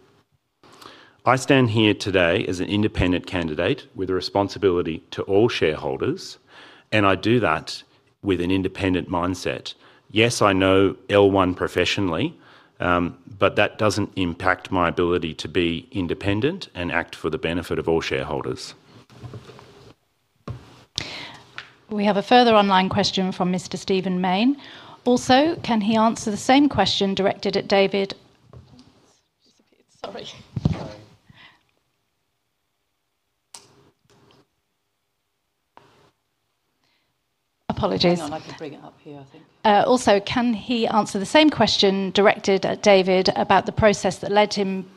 I stand here today as an independent candidate with a responsibility to all shareholders, and I do that with an independent mindset. Yes, I know L1 professionally, but that doesn't impact my ability to be independent and act for the benefit of all shareholders. We have a further online question from Mr. Stephen Mayne. Also, can he answer the same question directed at David? Apologies. No, I can bring it up here, I think. Also, can he answer the same question directed at David about the process that led him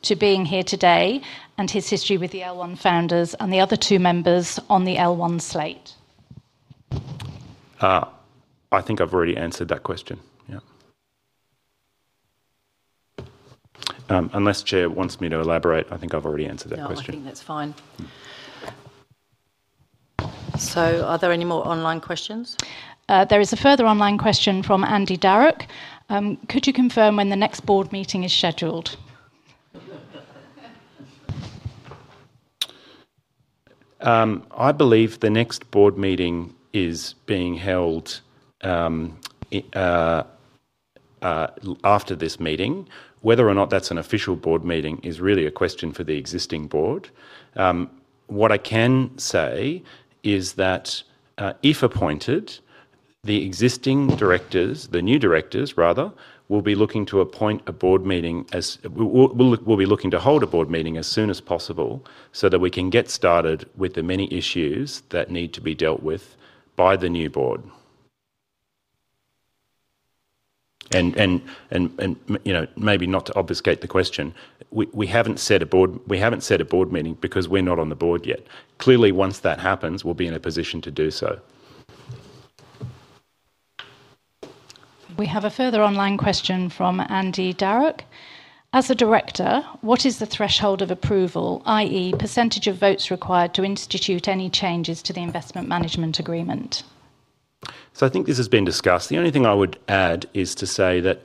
to being here today and his history with the L1 founders and the other two members on the L1 slate? I think I've already answered that question. Unless Chair wants me to elaborate, I think I've already answered that question. No, I think that's fine. Are there any more online questions? There is a further online question from Andy Darroch. Could you confirm when the next board meeting is scheduled? I believe the next board meeting is being held after this meeting. Whether or not that's an official board meeting is really a question for the existing board. What I can say is that if appointed, the new directors will be looking to appoint a board meeting as we'll be looking to hold a board meeting as soon as possible so that we can get started with the many issues that need to be dealt with by the new board. Maybe not to obfuscate the question, we haven't set a board meeting because we're not on the board yet. Clearly, once that happens, we'll be in a position to do so. We have a further online question from Andy Darroch. As a Director, what is the threshold of approval, i.e., percentage of votes required to institute any changes to the investment management agreement? I think this has been discussed. The only thing I would add is to say that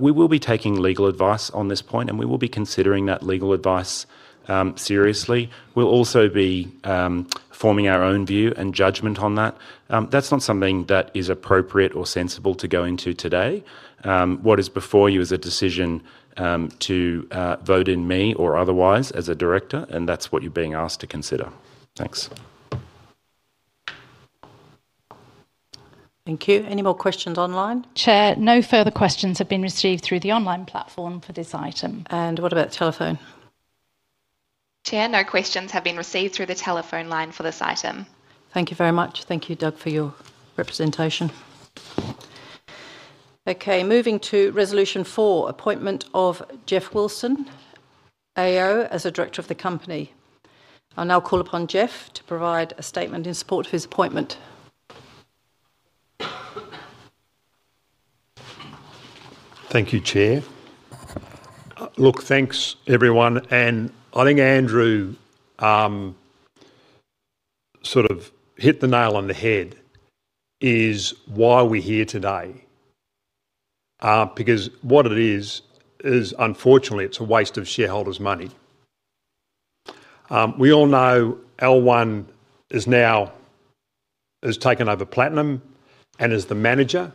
we will be taking legal advice on this point, and we will be considering that legal advice seriously. We'll also be forming our own view and judgment on that. That's not something that is appropriate or sensible to go into today. What is before you is a decision to vote in me or otherwise as a director, and that's what you're being asked to consider. Thanks. Thank you. Any more questions online? Chair, no further questions have been received through the online platform for this item. What about the telephone? Chair, no questions have been received through the telephone line for this item. Thank you very much. Thank you, Doug, for your representation. Moving to resolution four, appointment of Geoff Wilson AO as a director of the company. I'll now call upon Geoff to provide a statement in support of his appointment. Thank you, Chair. Thank you, everyone, and I think Andrew sort of hit the nail on the head as to why we're here today. What it is, is unfortunately, it's a waste of shareholders' money. We all know L1 has now taken over Platinum and is the manager.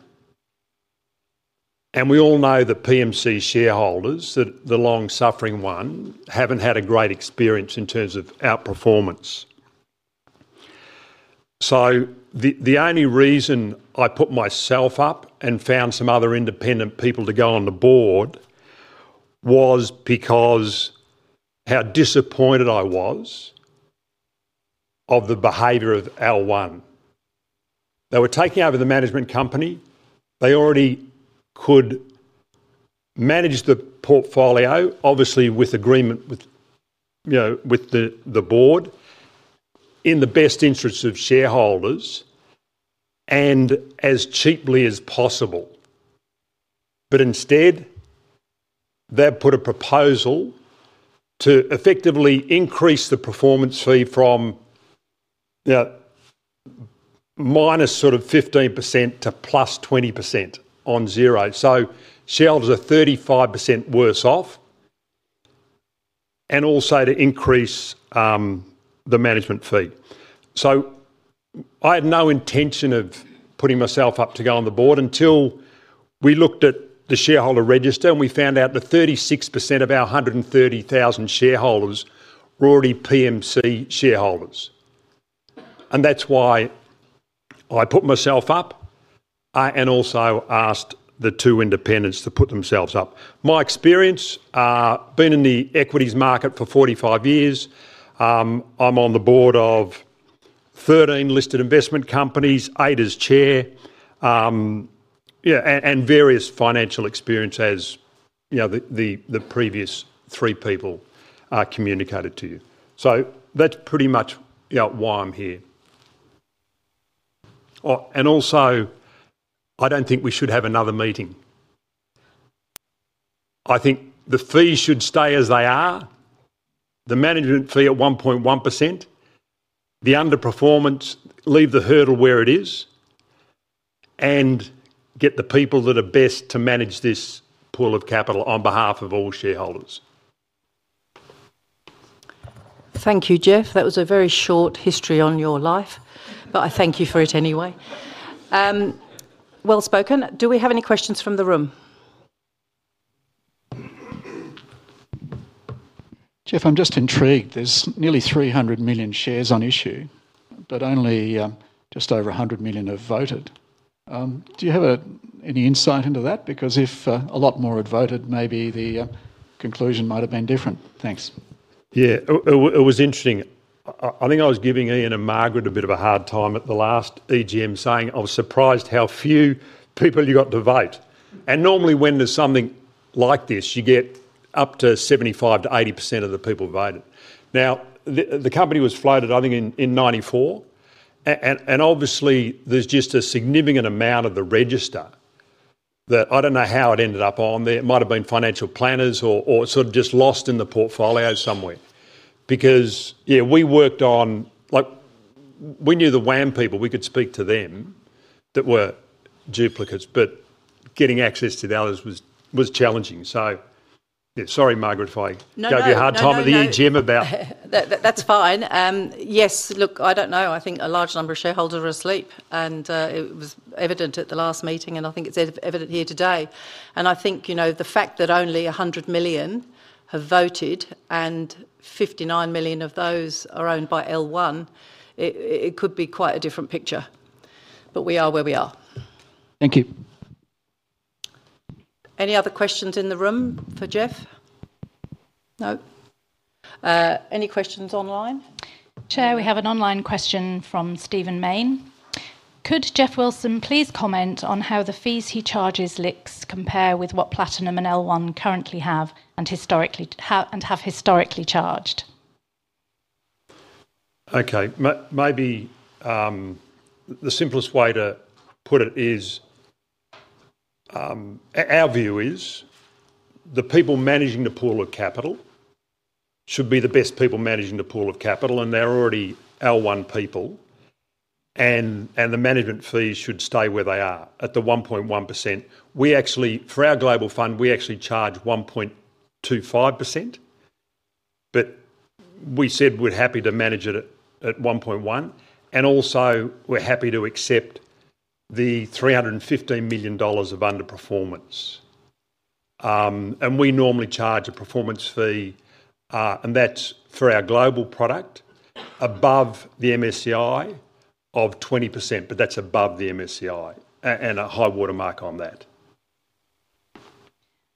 We all know that PMC shareholders, the long-suffering ones, haven't had a great experience in terms of outperformance. The only reason I put myself up and found some other independent people to go on the board was because of how disappointed I was with the behavior of L1. They were taking over the management company. They already could manage the portfolio, obviously with agreement with the board in the best interests of shareholders and as cheaply as possible. Instead, they've put a proposal to effectively increase the performance fee from -15% to +20% on zero. Shareholders are 35% worse off and also to increase the management fee. I had no intention of putting myself up to go on the board until we looked at the shareholder register and we found out that 36% of our 130,000 shareholders were already PMC shareholders. That's why I put myself up and also asked the two independents to put themselves up. My experience, I've been in the equities market for 45 years. I'm on the board of 13 listed investment companies, eight as Chair, and various financial experience as the previous three people communicated to you. That's pretty much why I'm here. I don't think we should have another meeting. I think the fees should stay as they are, the management fee at 1.1%, the underperformance, leave the hurdle where it is, and get the people that are best to manage this pool of capital on behalf of all shareholders. Thank you, Geoff. That was a very short history on your life, but I thank you for it anyway. Well spoken. Do we have any questions from the room? Geoff, I'm just intrigued. There's nearly 300 million shares on issue, but only just over 100 million have voted. Do you have any insight into that? Because if a lot more had voted, maybe the conclusion might have been different. Thanks. Yeah, it was interesting. I think I was giving Margaret a bit of a hard time at the last extraordinary general meeting saying I was surprised how few people you got to vote. Normally when there's something like this, you get up to 75%-80% of the people who voted. Now, the company was floated, I think, in 1994. Obviously, there's just a significant amount of the register that I don't know how it ended up on there. It might have been financial planners or just lost in the portfolio somewhere. We worked on, like, we knew the Wilson Asset Management people, we could speak to them that were duplicates, but getting access to the others was challenging. Sorry, Margaret, if I gave you a hard time at the extraordinary general meeting about that. That's fine. Yes, look, I don't know. I think a large number of shareholders were asleep, it was evident at the last meeting, and I think it's evident here today. I think the fact that only 100 million have voted and 59 million of those are owned by L1, it could be quite a different picture. We are where we are. Thank you. Any other questions in the room for Geoff? No? Any questions online? Chair, we have an online question from Stephen Mayne. Could Geoff Wilson please comment on how the fees he charges LICs compare with what Platinum and L1 currently have and have historically charged? Okay, maybe the simplest way to put it is our view is the people managing the pool of capital should be the best people managing the pool of capital, and they're already L1 people. The management fees should stay where they are at the 1.1%. We actually, for our global fund, charge 1.25%. We said we're happy to manage it at 1.1%, and also we're happy to accept the $315 million of underperformance. We normally charge a performance fee, and that's for our global product, above the MSCI of 20%, but that's above the MSCI and a high watermark on that.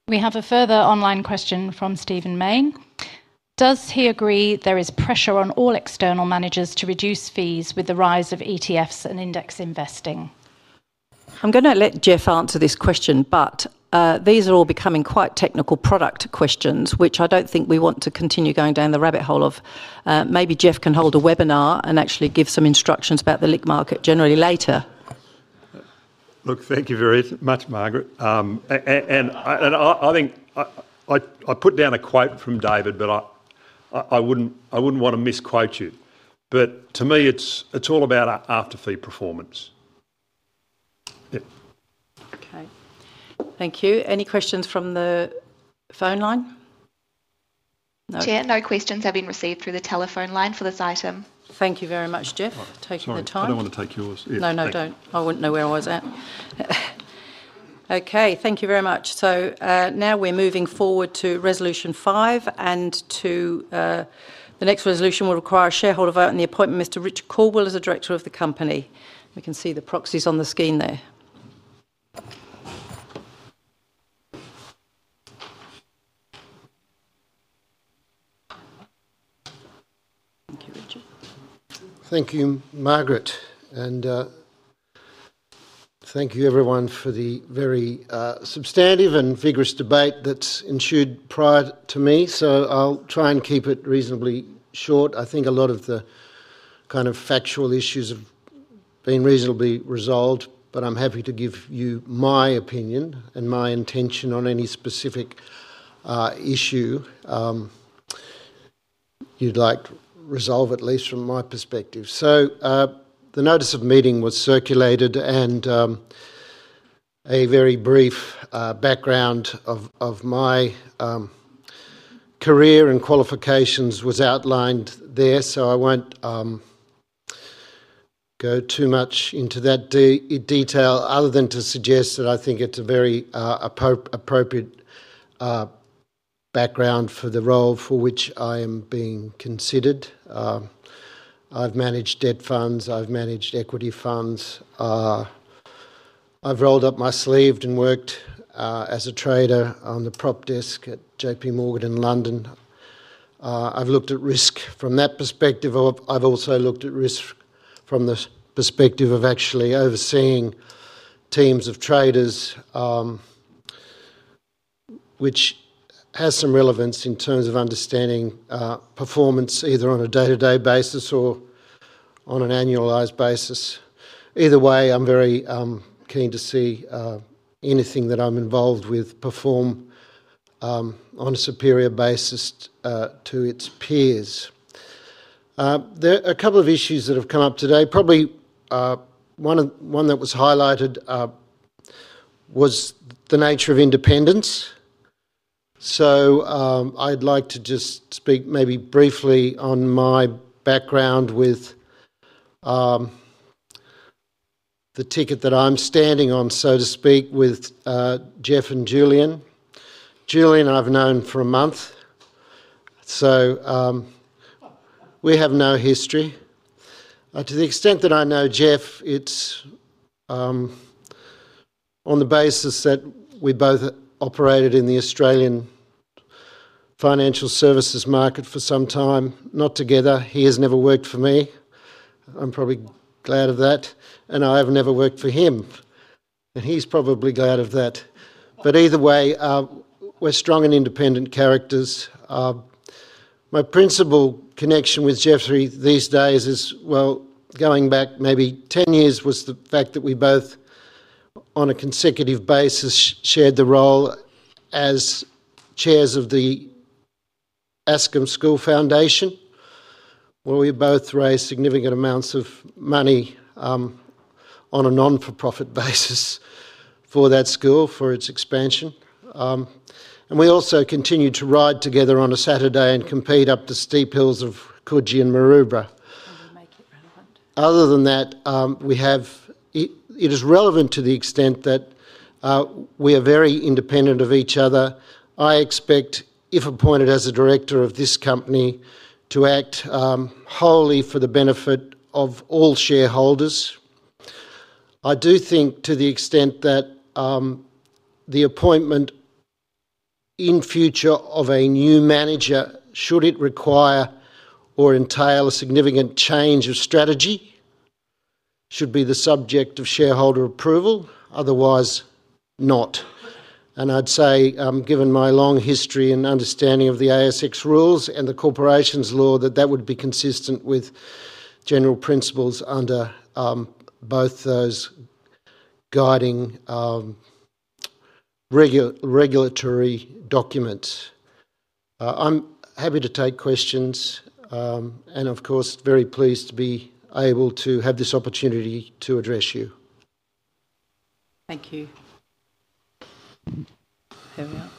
We have a further online question from Stephen Mayne. Does he agree there is pressure on all external managers to reduce fees with the rise of ETFs and index investing? I'm going to let Geoff answer this question, but these are all becoming quite technical product questions, which I don't think we want to continue going down the rabbit hole of. Maybe Geoff can hold a webinar and actually give some instructions about the LIC market generally later. Thank you very much, Margaret. I think I put down a quote from David, but I wouldn't want to misquote you. To me, it's all about after-fee performance. Okay. Thank you. Any questions from the phone line? Chair, no questions have been received through the telephone line for this item. Thank you very much, Geoff, for taking the time. I don't want to take yours. Thank you very much. Now we're moving forward to resolution five, and the next resolution will require a shareholder vote on the appointment of Mr. Richard Caldwell as a director of the company. We can see the proxies on the screen there. Thank you, Richard. Thank you, Margaret. Thank you, everyone, for the very substantive and vigorous debate that's ensued prior to me. I'll try and keep it reasonably short. I think a lot of the kind of factual issues have been reasonably resolved, but I'm happy to give you my opinion and my intention on any specific issue you'd like to resolve, at least from my perspective. The notice of meeting was circulated, and a very brief background of my career and qualifications was outlined there. I won't go too much into that detail other than to suggest that I think it's a very appropriate background for the role for which I am being considered. I've managed debt funds, I've managed equity funds, I've rolled up my sleeves and worked as a trader on the prop desk at JPMorgan in London. I've looked at risk from that perspective. I've also looked at risk from the perspective of actually overseeing teams of traders, which has some relevance in terms of understanding performance either on a day-to-day basis or on an annualized basis. Either way, I'm very keen to see anything that I'm involved with perform on a superior basis to its peers. There are a couple of issues that have come up today. Probably one that was highlighted was the nature of independence. I'd like to just speak maybe briefly on my background with the ticket that I'm standing on, so to speak, with Geoff and Julian. Julian, I've known for a month. We have no history. To the extent that I know Geoff, it's on the basis that we both operated in the Australian financial services market for some time, not together. He has never worked for me. I'm probably glad of that. I have never worked for him. He's probably glad of that. Either way, we're strong and independent characters. My principal connection with Geoff these days is, going back maybe 10 years, was the fact that we both, on a consecutive basis, shared the role as chairs of the Aksum School Foundation, where we both raised significant amounts of money on a non-profit basis for that school for its expansion. We also continue to ride together on a Saturday and compete up the steep hills of Kudji and Maroubra. Other than that, it is relevant to the extent that we are very independent of each other. I expect, if appointed as a director of this company, to act wholly for the benefit of all shareholders. I do think to the extent that the appointment in future of a new manager, should it require or entail a significant change of strategy, should be the subject of shareholder approval, otherwise not. I'd say, given my long history and understanding of the ASX rules and the corporations law, that that would be consistent with general principles under both those guiding regulatory documents. I'm happy to take questions, and of course, very pleased to be able to have this opportunity to address you. Thank you. Here we are.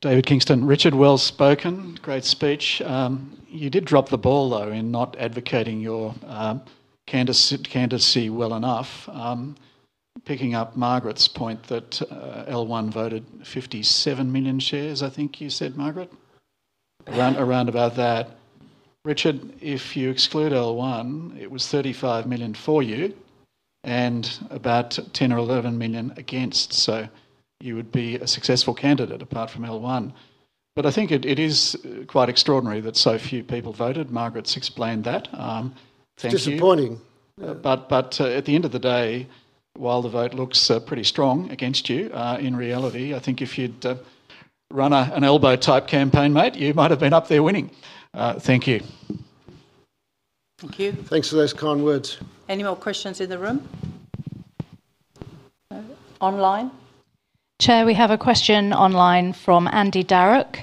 David Kingston, Richard, well spoken. Great speech. You did drop the ball though in not advocating your candidacy well enough. Picking up Margaret's point that L1 voted 57 million shares, I think you said, Margaret? Around about that. Richard, if you exclude L1, it was 35 million for you and about 10 million or 11 million against. You would be a successful candidate apart from L1. I think it is quite extraordinary that so few people voted. Margaret's explained that. Thank you. Disappointing. the end of the day, today, qhile the vote looks pretty strong against you, in reality, I think if you'd run an elbow-type campaign, mate, you might have been up there winning. Thank you. Thank you. Thanks for those kind words. Any more questions in the room? Online? Chair, we have a question online from Andy Darroch.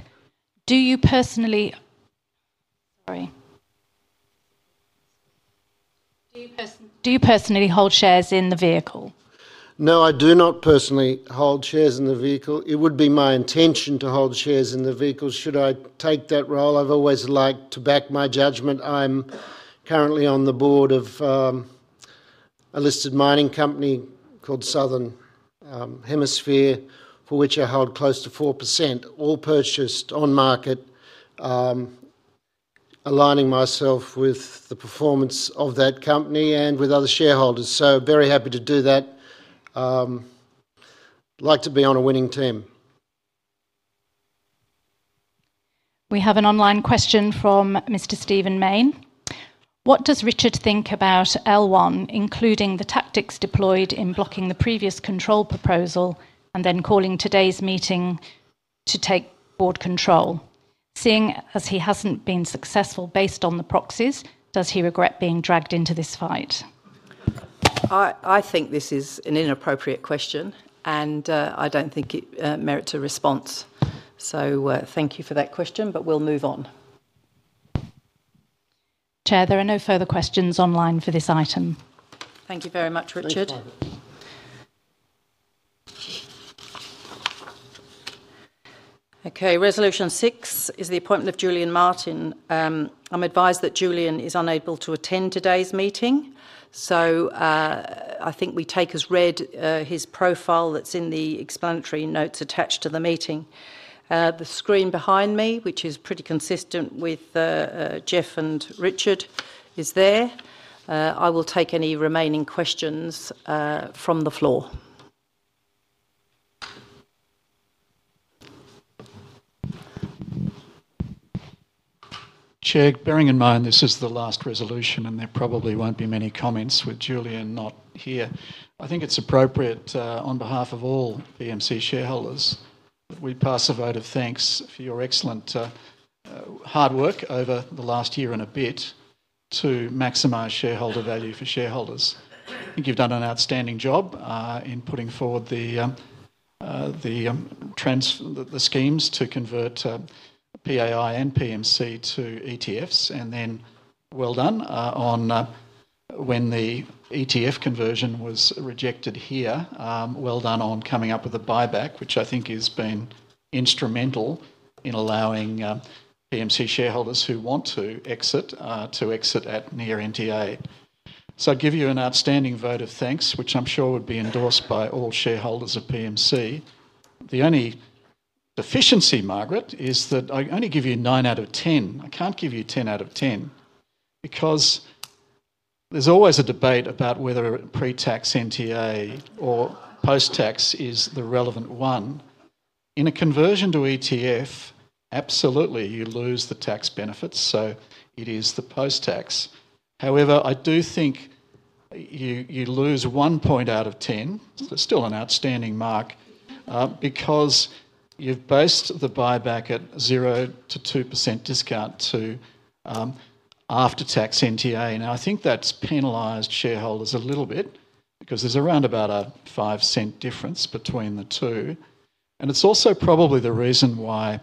Do you personally hold shares in the vehicle? No, I do not personally hold shares in the vehicle. It would be my intention to hold shares in the vehicle should I take that role. I've always liked to back my judgment. I'm currently on the board of a listed mining company called Southern Hemisphere, for which I hold close to 4%, all purchased on market, aligning myself with the performance of that company and with other shareholders. Very happy to do that. I'd like to be on a winning team. We have an online question from Mr. Stephen Mayne. What does Richard think about L1, including the tactics deployed in blocking the previous control proposal and then calling today's meeting to take board control? Seeing as he hasn't been successful based on the proxies, does he regret being dragged into this fight? I think this is an inappropriate question, and I don't think it merits a response. Thank you for that question, but we'll move on. Chair, there are no further questions online for this item. Thank you very much, Richard. Okay, Resolution 6 is the appointment of Julian Martin. I'm advised that Julian is unable to attend today's meeting. I think we take as read his profile that's in the explanatory notes attached to the meeting. The screen behind me, which is pretty consistent with Geoff and Richard, is there. I will take any remaining questions from the floor. Chair, bearing in mind this is the last resolution and there probably won't be many comments with Julian not here, I think it's appropriate on behalf of all PMC shareholders that we pass a vote of thanks for your excellent hard work over the last year and a bit to maximize shareholder value for shareholders. I think you've done an outstanding job in putting forward the schemes to convert PAI and PMC to ETFs. Well done on when the ETF conversion was rejected here. Well done on coming up with a buyback, which I think has been instrumental in allowing PMC shareholders who want to exit to exit at near NTA. I give you an outstanding vote of thanks, which I'm sure would be endorsed by all shareholders of PMC. The only deficiency, Margaret, is that I only give you 9 out of 10. I can't give you 10 out of 10 because there's always a debate about whether a pre-tax NTA or post-tax is the relevant one. In a conversion to ETF, absolutely, you lose the tax benefits, so it is the post-tax. I do think you lose one point out of 10, still an outstanding mark, because you've based the buyback at 0%-2% discount to after-tax NTA. I think that's penalized shareholders a little bit because there's around about a $0.05 difference between the two. It's also probably the reason why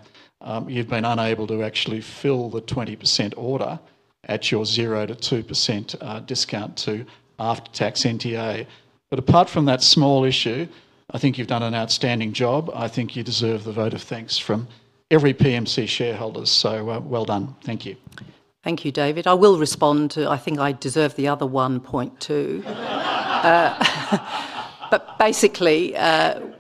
you've been unable to actually fill the 20% order at your 0%-2% discount to after-tax NTA. Apart from that small issue, I think you've done an outstanding job. I think you deserve the vote of thanks from every PMC shareholder. Well done. Thank you. Thank you, David. I will respond to, I think I deserve the other $1.2 million. Basically,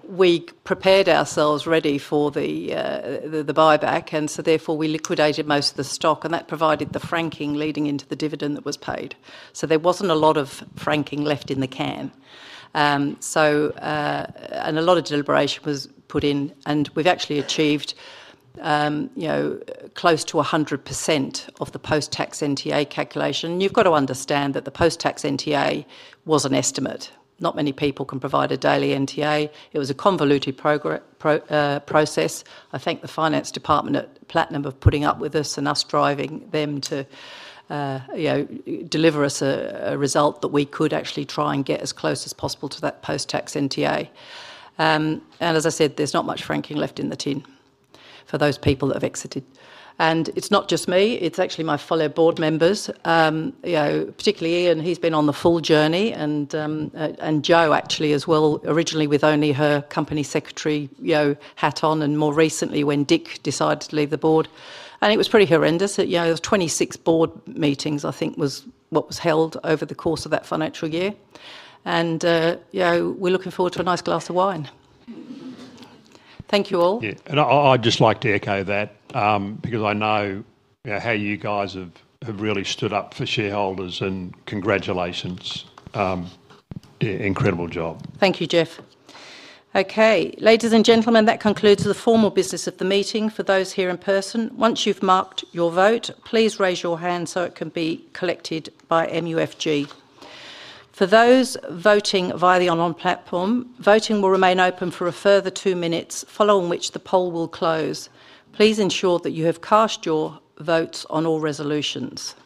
we prepared ourselves ready for the buyback program. Therefore, we liquidated most of the stock, and that provided the franking leading into the dividend that was paid. There wasn't a lot of franking left in the can. A lot of deliberation was put in, and we've actually achieved close to 100% of the post-tax NTA calculation. You've got to understand that the post-tax NTA was an estimate. Not many people can provide a daily NTA. It was a convoluted process. I thank the finance department at Platinum for putting up with us and us driving them to deliver us a result that we could actually try and get as close as possible to that post-tax NTA. As I said, there's not much franking left in the tin for those people that have exited. It's not just me. It's actually my fellow board members, particularly Ian. He's been on the full journey, and Jo actually as well, originally with only her company secretary, Jo Hatton, and more recently when Dick decided to leave the board. It was pretty horrendous. It was 26 board meetings, I think, was what was held over the course of that financial year. We're looking forward to a nice glass of wine. Thank you all. I just want to echo that because I know how you guys have really stood up for shareholders. Congratulations. Incredible job. Thank you, Geoff. Okay, ladies and gentlemen, that concludes the formal business of the meeting. For those here in person, once you've marked your vote, please raise your hand so it can be collected by MUFG. For those voting via the online platform, voting will remain open for a further two minutes, following which the poll will close. Please ensure that you have cast your votes on all resolutions.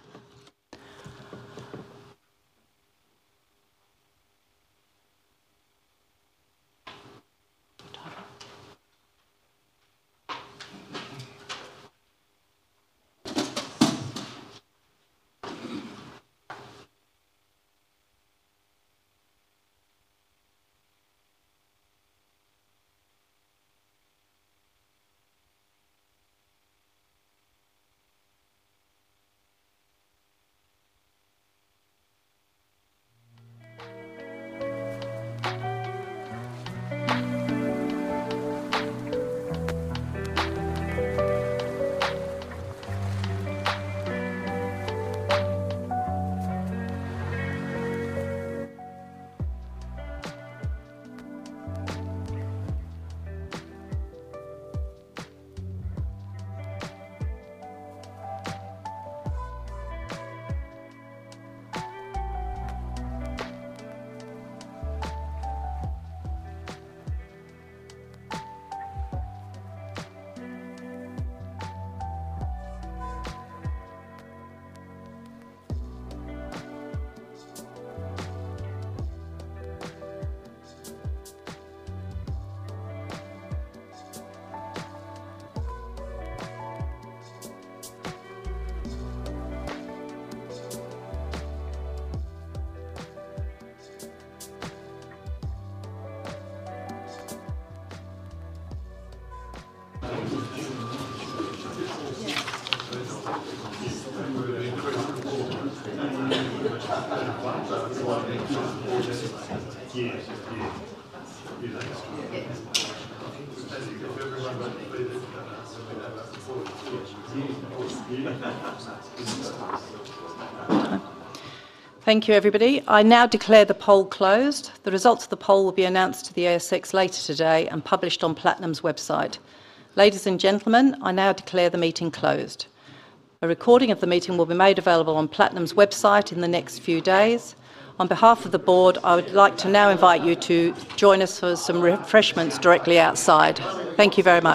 Thank you, everybody. I now declare the poll closed. The results of the poll will be announced to the ASX later today and published on Platinum's website. Ladies and gentlemen, I now declare the meeting closed. A recording of the meeting will be made available on Platinum's website in the next few days. On behalf of the Board, I would like to now invite you to join us for some refreshments directly outside. Thank you very much.